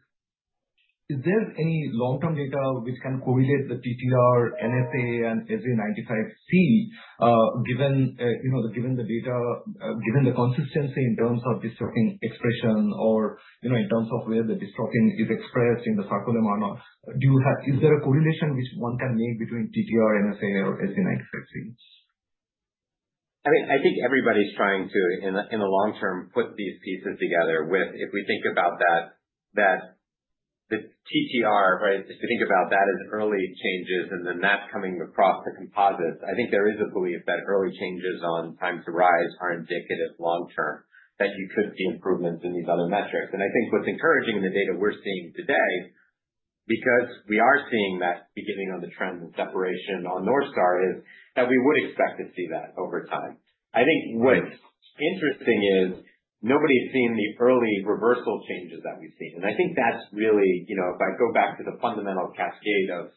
is there any long-term data which can correlate the TTR, NSAA, and SV95C given the data, given the consistency in terms of dystrophin expression or in terms of where the dystrophin is expressed in the sarcolemma or not? Is there a correlation which one can make between TTR, NSAA, or SV95C? I mean, I think everybody's trying to, in the long term, put these pieces together with, if we think about that, the TTR, right? If you think about that as early changes and then that's coming across the composites, I think there is a belief that early changes on Time-to-Rise are indicative long-term that you could see improvements in these other metrics. I think what's encouraging in the data we're seeing today, because we are seeing that beginning on the trend and separation on North Star, is that we would expect to see that over time. I think what's interesting is nobody's seen the early reversal changes that we've seen. I think that's really, if I go back to the fundamental cascade of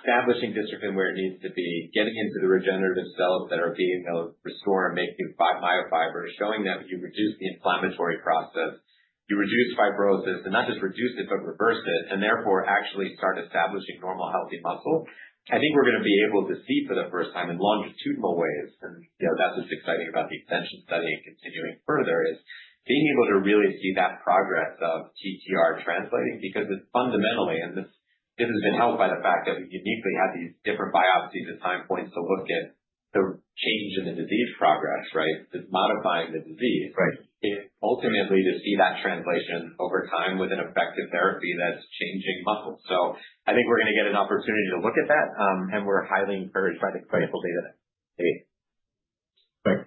establishing dystrophin where it needs to be, getting into the regenerative cells that are being able to restore and make new myofibers, showing that you reduce the inflammatory process, you reduce fibrosis, and not just reduce it, but reverse it, and therefore actually start establishing normal healthy muscle, I think we're going to be able to see for the first time in longitudinal ways. That's what's exciting about the extension study and continuing further, being able to really see that progress of TTR translating because it's fundamentally, and this has been helped by the fact that we uniquely had these different biopsies at time points to look at the change in the disease progress, right? It's modifying the disease. It's ultimately to see that translation over time with an effective therapy that's changing muscle. I think we're going to get an opportunity to look at that, and we're highly encouraged by the clinical data that we see. Great.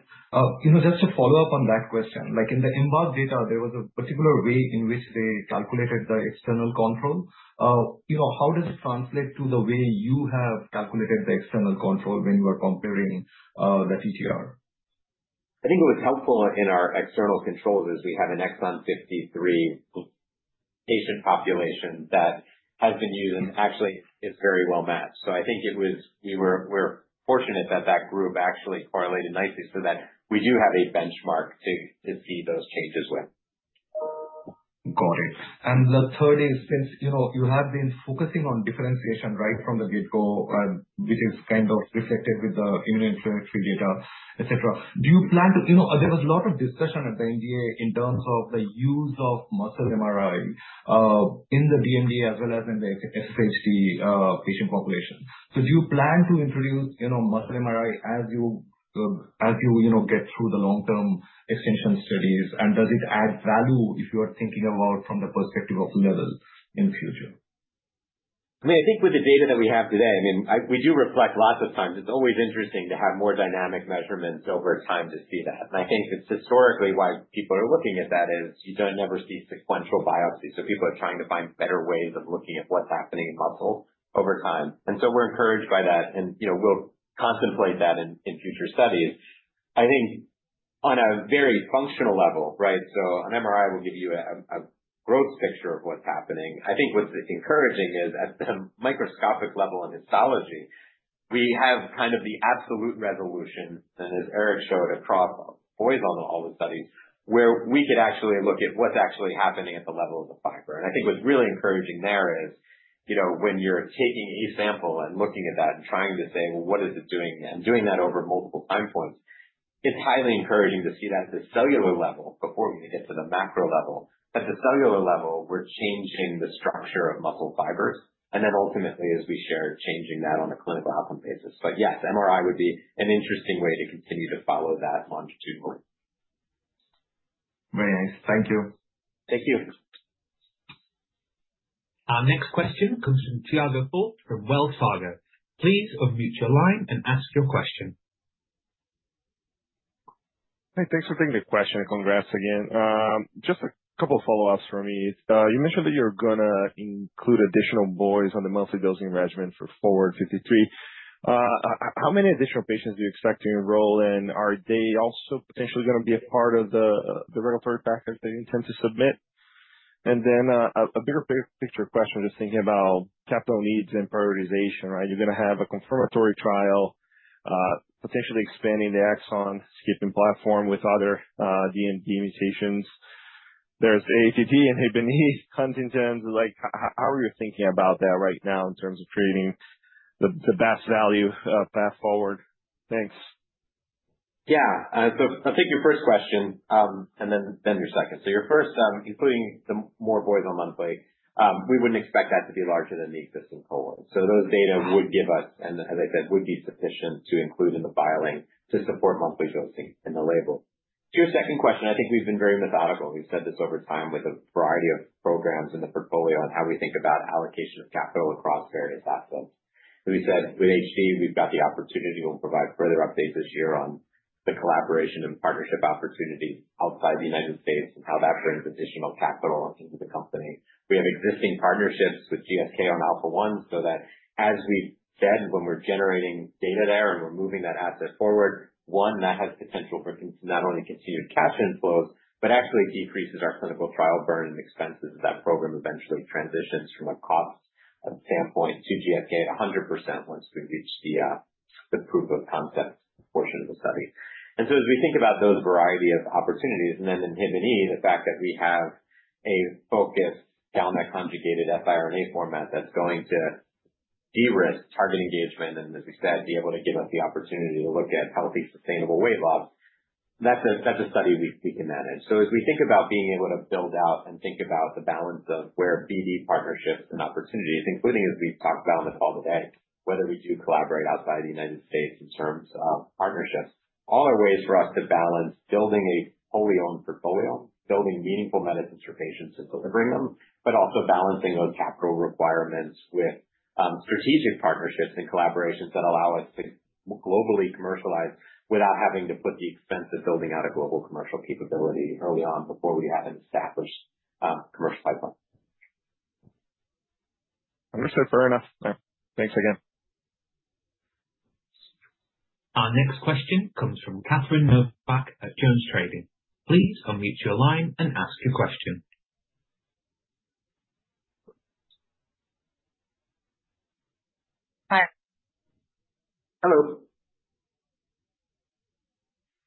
Just to follow up on that question, in the EMBARK data, there was a particular way in which they calculated the external control. How does it translate to the way you have calculated the external control when you are comparing the TTR? I think it was helpful in our external controls as we have an exon 53 patient population that has been used and actually is very well matched. I think we're fortunate that that group actually correlated nicely so that we do have a benchmark to see those changes with. Got it. The third is, since you have been focusing on differentiation right from the get-go, which is kind of reflected with the immunohistochemistry data, etc., do you plan to—there was a lot of discussion at the NDA in terms of the use of muscle MRI in the DMD as well as in the FSHD patient population. Do you plan to introduce muscle MRI as you get through the long-term extension studies? Does it add value if you are thinking about it from the perspective of level in the future? I mean, I think with the data that we have today, we do reflect lots of times. It's always interesting to have more dynamic measurements over time to see that. I think it's historically why people are looking at that, because you do not ever see sequential biopsies. People are trying to find better ways of looking at what's happening in muscle over time. We're encouraged by that, and we'll contemplate that in future studies. I think on a very functional level, right? An MRI will give you a growth picture of what's happening. I think what's encouraging is at the microscopic level in histology, we have kind of the absolute resolution, and as Erik showed, across boys on all the studies, where we could actually look at what's actually happening at the level of the fiber. I think what's really encouraging there is when you're taking a sample and looking at that and trying to say, "What is it doing?" Doing that over multiple time points, it's highly encouraging to see that at the cellular level before we even get to the macro level. At the cellular level, we're changing the structure of muscle fibers. Ultimately, as we shared, changing that on a clinical outcome basis. Yes, MRI would be an interesting way to continue to follow that longitudinally. Very nice. Thank you. Thank you. Our next question comes from Tiago Fauth from Wells Fargo. Please unmute your line and ask your question. Hey, thanks for taking the question. Congrats again. Just a couple of follow-ups for me. You mentioned that you're going to include additional boys on the monthly dosing regimen for FORWARD-53. How many additional patients do you expect to enroll? Are they also potentially going to be a part of the regulatory package that you intend to submit? A bigger picture question, just thinking about capital needs and prioritization, right? You're going to have a confirmatory trial, potentially expanding the exon skipping platform with other DMD mutations. There's AATD and Huntington's. How are you thinking about that right now in terms of creating the best value path forward? Thanks. Yeah. I'll take your first question and then your second. Your first, including the more boys on monthly, we wouldn't expect that to be larger than the existing cohort. Those data would give us, and as I said, would be sufficient to include in the filing to support monthly dosing in the label. To your second question, I think we've been very methodical. We've said this over time with a variety of programs in the portfolio and how we think about allocation of capital across various assets. As we said, with HD, we've got the opportunity. We'll provide further updates this year on the collaboration and partnership opportunities outside the United States and how that brings additional capital into the company. We have existing partnerships with GSK on Alpha-1. As we've said, when we're generating data there and we're moving that asset forward, one, that has potential for not only continued cash inflows, but actually decreases our clinical trial burn and expenses as that program eventually transitions from a cost standpoint to GSK at 100% once we reach the proof of concept portion of the study. As we think about those variety of opportunities, and then INHBE, the fact that we have a focus down that conjugated siRNA format that's going to de-risk target engagement, and as we said, be able to give us the opportunity to look at healthy, sustainable weight loss, that's a study we can manage. As we think about being able to build out and think about the balance of where BD partnerships and opportunities, including, as we've talked about on the call today, whether we do collaborate outside the United States in terms of partnerships, all are ways for us to balance building a fully owned portfolio, building meaningful medicines for patients and delivering them, but also balancing those capital requirements with strategic partnerships and collaborations that allow us to globally commercialize without having to put the expense of building out a global commercial capability early on before we have an established commercial pipeline. I'm going to say fair enough. Thanks again. Our next question comes from Catherine Novack at JonesTrading. Please unmute your line and ask your question. Hello?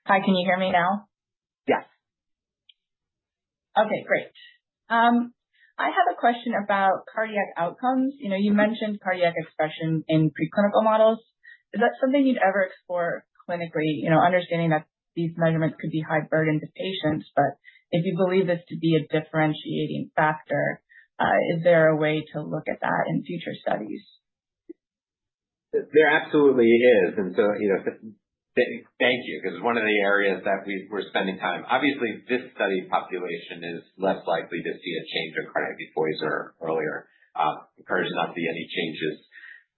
Hi. Can you hear me now? Yes. Okay. Great. I have a question about cardiac outcomes. You mentioned cardiac expression in preclinical models. Is that something you'd ever explore clinically, understanding that these measurements could be high burden to patients? If you believe this to be a differentiating factor, is there a way to look at that in future studies? There absolutely is. Thank you because it's one of the areas that we're spending time. Obviously, this study population is less likely to see a change in cardiac endpoints earlier. Encouraged not to see any changes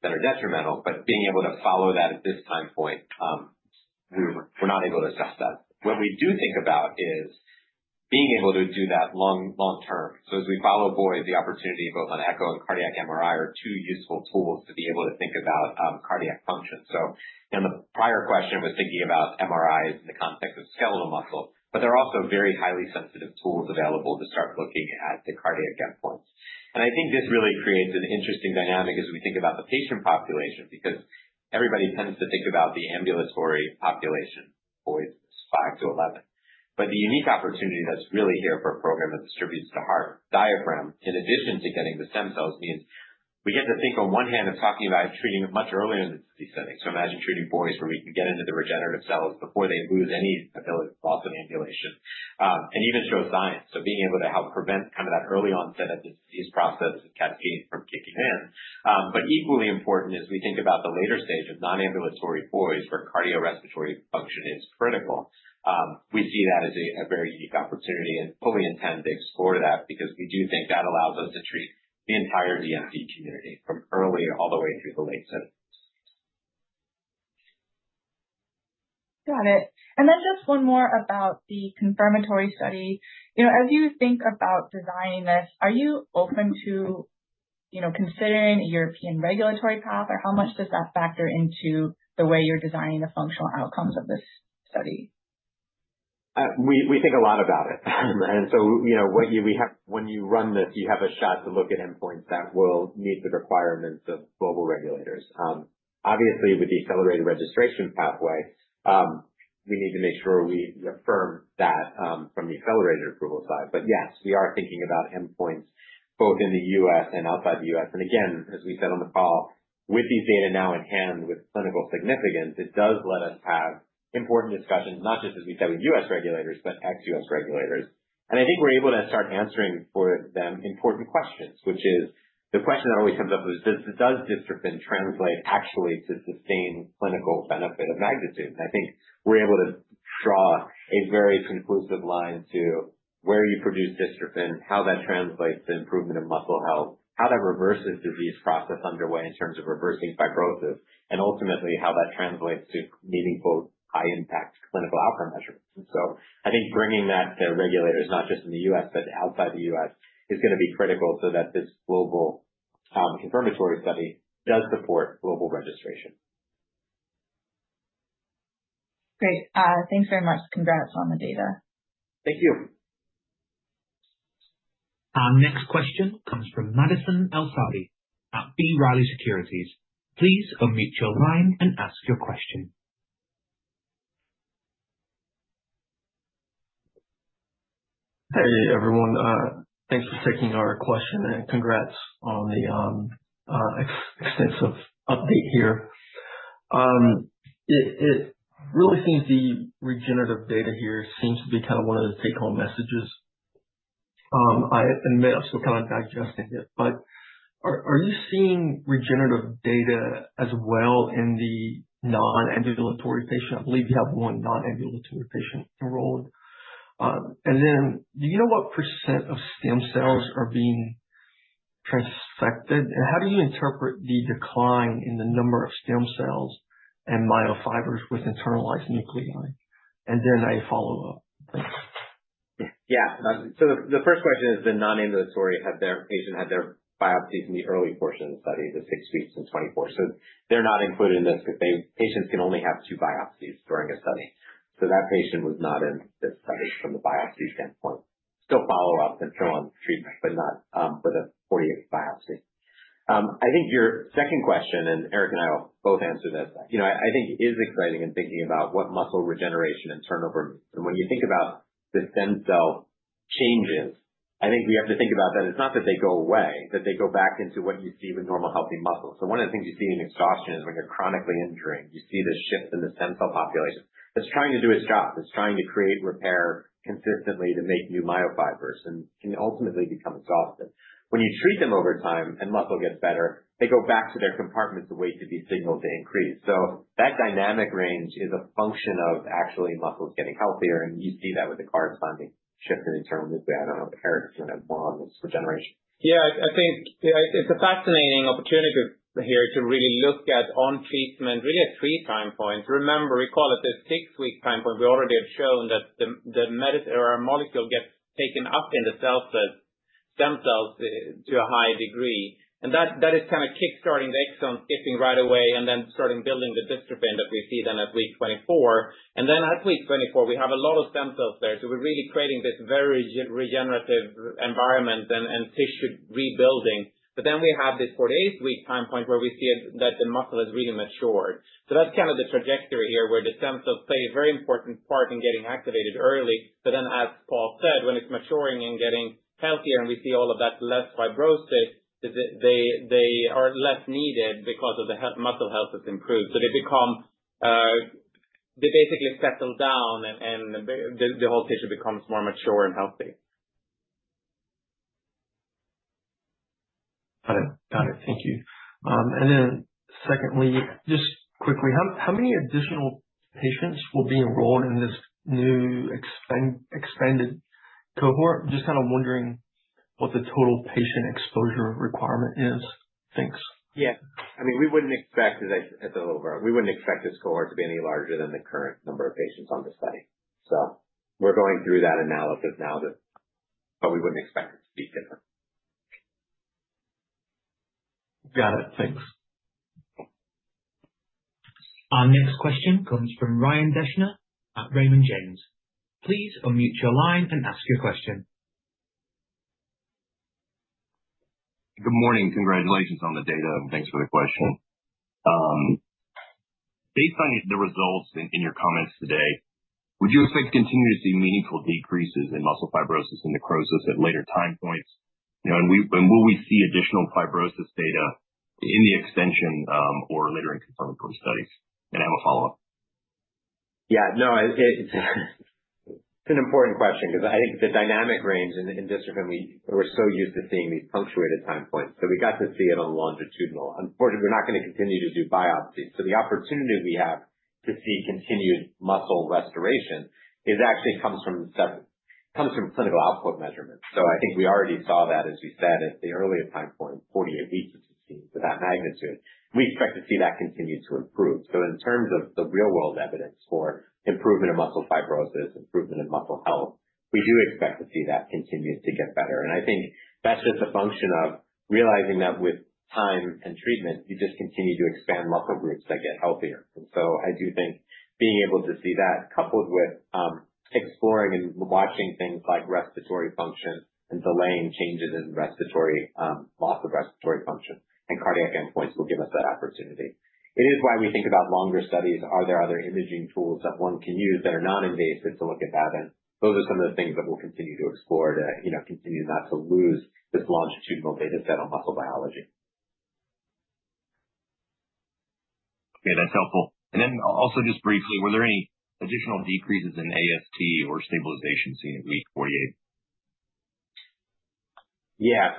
that are detrimental, but being able to follow that at this time point, we're not able to assess that. What we do think about is being able to do that long-term. As we follow boys, the opportunity both on echo and cardiac MRI are two useful tools to be able to think about cardiac function. In the prior question, I was thinking about MRIs in the context of skeletal muscle, but there are also very highly sensitive tools available to start looking at the cardiac endpoints. I think this really creates an interesting dynamic as we think about the patient population because everybody tends to think about the ambulatory population, boys 5 to 11. The unique opportunity that's really here for a program that distributes to heart diaphragm, in addition to getting the stem cells, means we get to think on one hand of talking about treating it much earlier in the disease setting. Imagine treating boys where we can get into the regenerative cells before they lose any ability to loss of ambulation and even show signs. Being able to help prevent kind of that early onset of the disease process of cascading from kicking in. Equally important as we think about the later stage of non-ambulatory boys where cardiorespiratory function is critical, we see that as a very unique opportunity and fully intend to explore that because we do think that allows us to treat the entire DMD community from early all the way through the late setting. Got it. Just one more about the confirmatory study. As you think about designing this, are you open to considering a European regulatory path, or how much does that factor into the way you're designing the functional outcomes of this study? We think a lot about it. When you run this, you have a shot to look at endpoints that will meet the requirements of global regulators. Obviously, with the accelerated registration pathway, we need to make sure we affirm that from the accelerated approval side. Yes, we are thinking about endpoints both in the U.S. and outside the U.S. As we said on the call, with these data now in hand with clinical significance, it does let us have important discussions, not just as we said with U.S. regulators, but ex-U.S. regulators. I think we're able to start answering for them important questions, which is the question that always comes up: does dystrophin translate actually to sustained clinical benefit of magnitude? I think we're able to draw a very conclusive line to where you produce dystrophin, how that translates to improvement of muscle health, how that reverses disease process underway in terms of reversing fibrosis, and ultimately how that translates to meaningful high-impact clinical outcome measurements. I think bringing that to regulators, not just in the U.S., but outside the U.S., is going to be critical so that this global confirmatory study does support global registration. Great. Thanks very much. Congrats on the data. Thank you. Our next question comes from Madison El-Saadi at B. Riley Securities. Please unmute your line and ask your question. Hey, everyone. Thanks for taking our question, and congrats on the extensive update here. It really seems the regenerative data here seems to be kind of one of the take-home messages. I admit I'm still kind of digesting it, but are you seeing regenerative data as well in the non-ambulatory patient? I believe you have one non-ambulatory patient enrolled. And then do you know what percent of stem cells are being transfected? How do you interpret the decline in the number of stem cells and myofibers with internalized nuclei? And then a follow-up. Yeah. The first question is the non-ambulatory patient had their biopsies in the early portion of the study, the six weeks and 24. They are not included in this because patients can only have two biopsies during a study. That patient was not in this study from the biopsy standpoint. Still follow-up and still on treatment, but not with a 48-week biopsy. I think your second question, and Erik and I will both answer this, I think is exciting in thinking about what muscle regeneration and turnover means. When you think about the stem cell changes, I think we have to think about that it is not that they go away, that they go back into what you see with normal healthy muscle. One of the things you see in exhaustion is when you're chronically injuring, you see this shift in the stem cell population that's trying to do its job. It's trying to create repair consistently to make new myofibers and can ultimately become exhausted. When you treat them over time and muscle gets better, they go back to their compartment to wait to be signaled to increase. That dynamic range is a function of actually muscles getting healthier, and you see that with the corresponding shift in internal nuclei. I don't know if Erik's going to have more on this regeneration. Yeah, I think it's a fascinating opportunity here to really look at on treatment, really at three time points. Remember, we call it the six-week time point. We already have shown that our molecule gets taken up in the cell stem cells to a high degree. That is kind of kickstarting the exon skipping right away and then starting building the dystrophin that we see then at week 24. And then at week 24, we have a lot of stem cells there. We are really creating this very regenerative environment and tissue rebuilding. We have this 48-week time point where we see that the muscle has really matured. That is kind of the trajectory here where the stem cells play a very important part in getting activated early. As Paul said, when it is maturing and getting healthier and we see all of that less fibrosis, they are less needed because the muscle health has improved. They basically settle down and the whole tissue becomes more mature and healthy. Got it. Thank you. And then secondly, just quickly, how many additional patients will be enrolled in this new expanded cohort? Just kind of wondering what the total patient exposure requirement is. Thanks. Yeah. I mean, we would not expect as a whole group, we would not expect this cohort to be any larger than the current number of patients on the study. We are going through that analysis now, but we would not expect it to be different. Got it. Thanks. Our next question comes from Ryan Deschner at Raymond James. Please unmute your line and ask your question. Good morning. Congratulations on the data, and thanks for the question. Based on the results in your comments today, would you expect to continue to see meaningful decreases in muscle fibrosis and necrosis at later time points? Will we see additional fibrosis data in the extension or later in confirmatory studies? I have a follow-up. Yeah. No, it's an important question because I think the dynamic range in dystrophin, we're so used to seeing these punctuated time points. We got to see it on longitudinal. Unfortunately, we're not going to continue to do biopsies. The opportunity we have to see continued muscle restoration actually comes from clinical output measurements. I think we already saw that, as we said, at the earlier time point, 48 weeks of disease of that magnitude. We expect to see that continue to improve. In terms of the real-world evidence for improvement in muscle fibrosis, improvement in muscle health, we do expect to see that continue to get better. I think that's just a function of realizing that with time and treatment, you just continue to expand muscle groups that get healthier. I do think being able to see that coupled with exploring and watching things like respiratory function and delaying changes in loss of respiratory function and cardiac endpoints will give us that opportunity. It is why we think about longer studies. Are there other imaging tools that one can use that are non-invasive to look at that? Those are some of the things that we'll continue to explore to continue not to lose this longitudinal data set on muscle biology. Okay. That's helpful. Also, just briefly, were there any additional decreases in AST or stabilization seen in week 48? Yeah.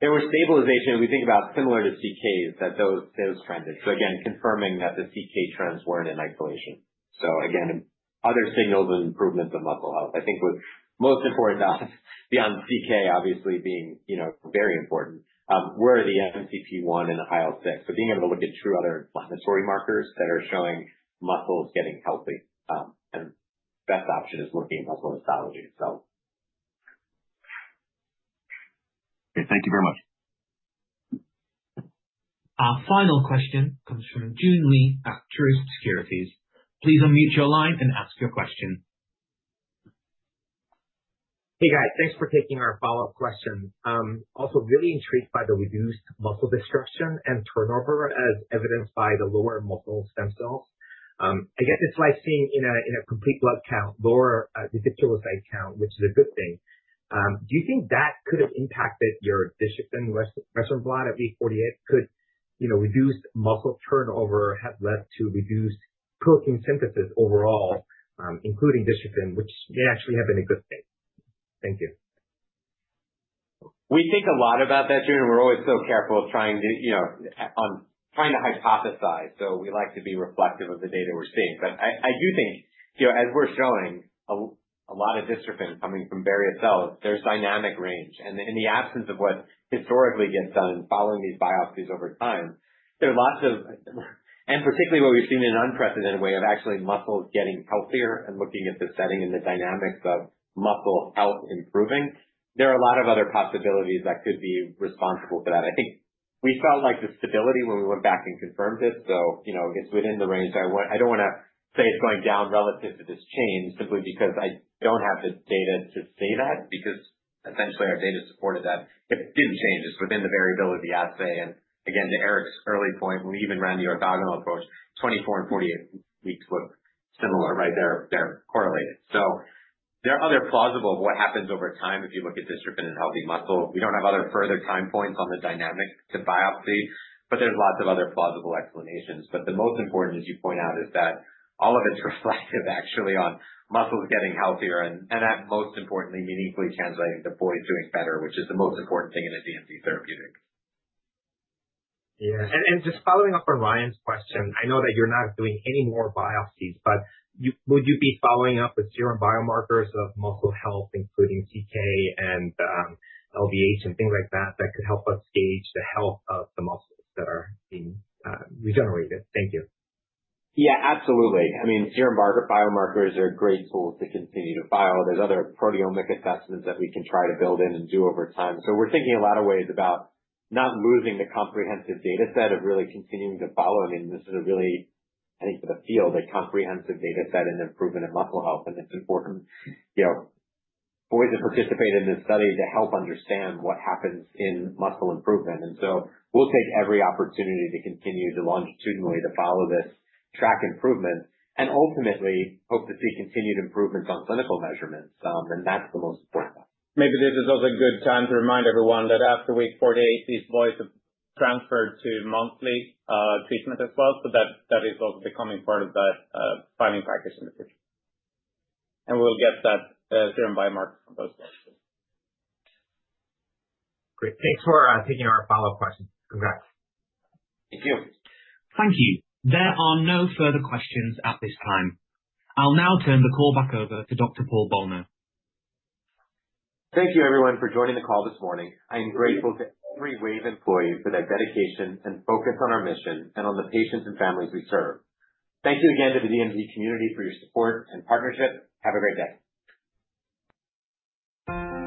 There were stabilization, we think about similar to CKs, that those trended. Again, confirming that the CK trends were not in isolation. Again, other signals of improvement of muscle health. I think what's most important beyond CK, obviously being very important, were the MCP-1 and IL-6. Being able to look at true other inflammatory markers that are showing muscles getting healthy. The best option is looking at muscle histology itself. Okay. Thank you very much. Our final question comes from Joon Lee at Truist Securities. Please unmute your line and ask your question. Hey, guys. Thanks for taking our follow-up question. Also really intrigued by the reduced muscle destruction and turnover as evidenced by the lower muscle stem cells. I get this slide seen in a complete blood count, lower reticulocyte count, which is a good thing. Do you think that could have impacted your dystrophin restorative blood at week 48? Could reduced muscle turnover have led to reduced protein synthesis overall, including dystrophin, which may actually have been a good thing? Thank you. We think a lot about that, Joon. We're always so careful of trying to hypothesize. We like to be reflective of the data we're seeing. I do think as we're showing a lot of dystrophin coming from various cells, there's dynamic range. In the absence of what historically gets done following these biopsies over time, there are lots of, and particularly what we've seen in an unprecedented way of actually muscles getting healthier and looking at the setting and the dynamics of muscle health improving, there are a lot of other possibilities that could be responsible for that. I think we felt like the stability when we went back and confirmed it. It's within the range. I don't want to say it's going down relative to this change simply because I don't have the data to say that because essentially our data supported that. It didn't change. It's within the variability of the assay. Again, to Erik's early point, we even ran the orthogonal approach. Twenty-four and forty-eight weeks look similar, right? They're correlated. There are other plausible what happens over time if you look at dystrophin in healthy muscle. We don't have other further time points on the dynamic to biopsy, but there's lots of other plausible explanations. The most important, as you point out, is that all of it's reflective actually on muscles getting healthier and that most importantly, meaningfully translating to boys doing better, which is the most important thing in a DMD therapeutic. Yeah. Just following up on Ryan's question, I know that you're not doing any more biopsies, but would you be following up with serum biomarkers of muscle health, including CK and LDH and things like that, that could help us gauge the health of the muscles that are being regenerated? Thank you. Yeah, absolutely. I mean, serum biomarkers are great tools to continue to follow. There are other proteomic assessments that we can try to build in and do over time. We are thinking a lot of ways about not losing the comprehensive data set of really continuing to follow. I mean, this is a really, I think for the field, a comprehensive data set in improvement in muscle health. And it is important boys that participate in this study to help understand what happens in muscle improvement. We will take every opportunity to continue to longitudinally follow this track improvement and ultimately hope to see continued improvements on clinical measurements. That is the most important thing. Maybe this is also a good time to remind everyone that after week 48, these boys have transferred to monthly treatment as well. That is also becoming part of that filing package in the future. We will get that serum biomarker from those boys too. Great. Thanks for taking our follow-up questions. Congrats. Thank you. Thank you. There are no further questions at this time. I will now turn the call back over to Dr. Paul Bolno. Thank you, everyone, for joining the call this morning. I am grateful to every Wave Life Sciences employee for their dedication and focus on our mission and on the patients and families we serve. Thank you again to the DMD community for your support and partnership. Have a great day.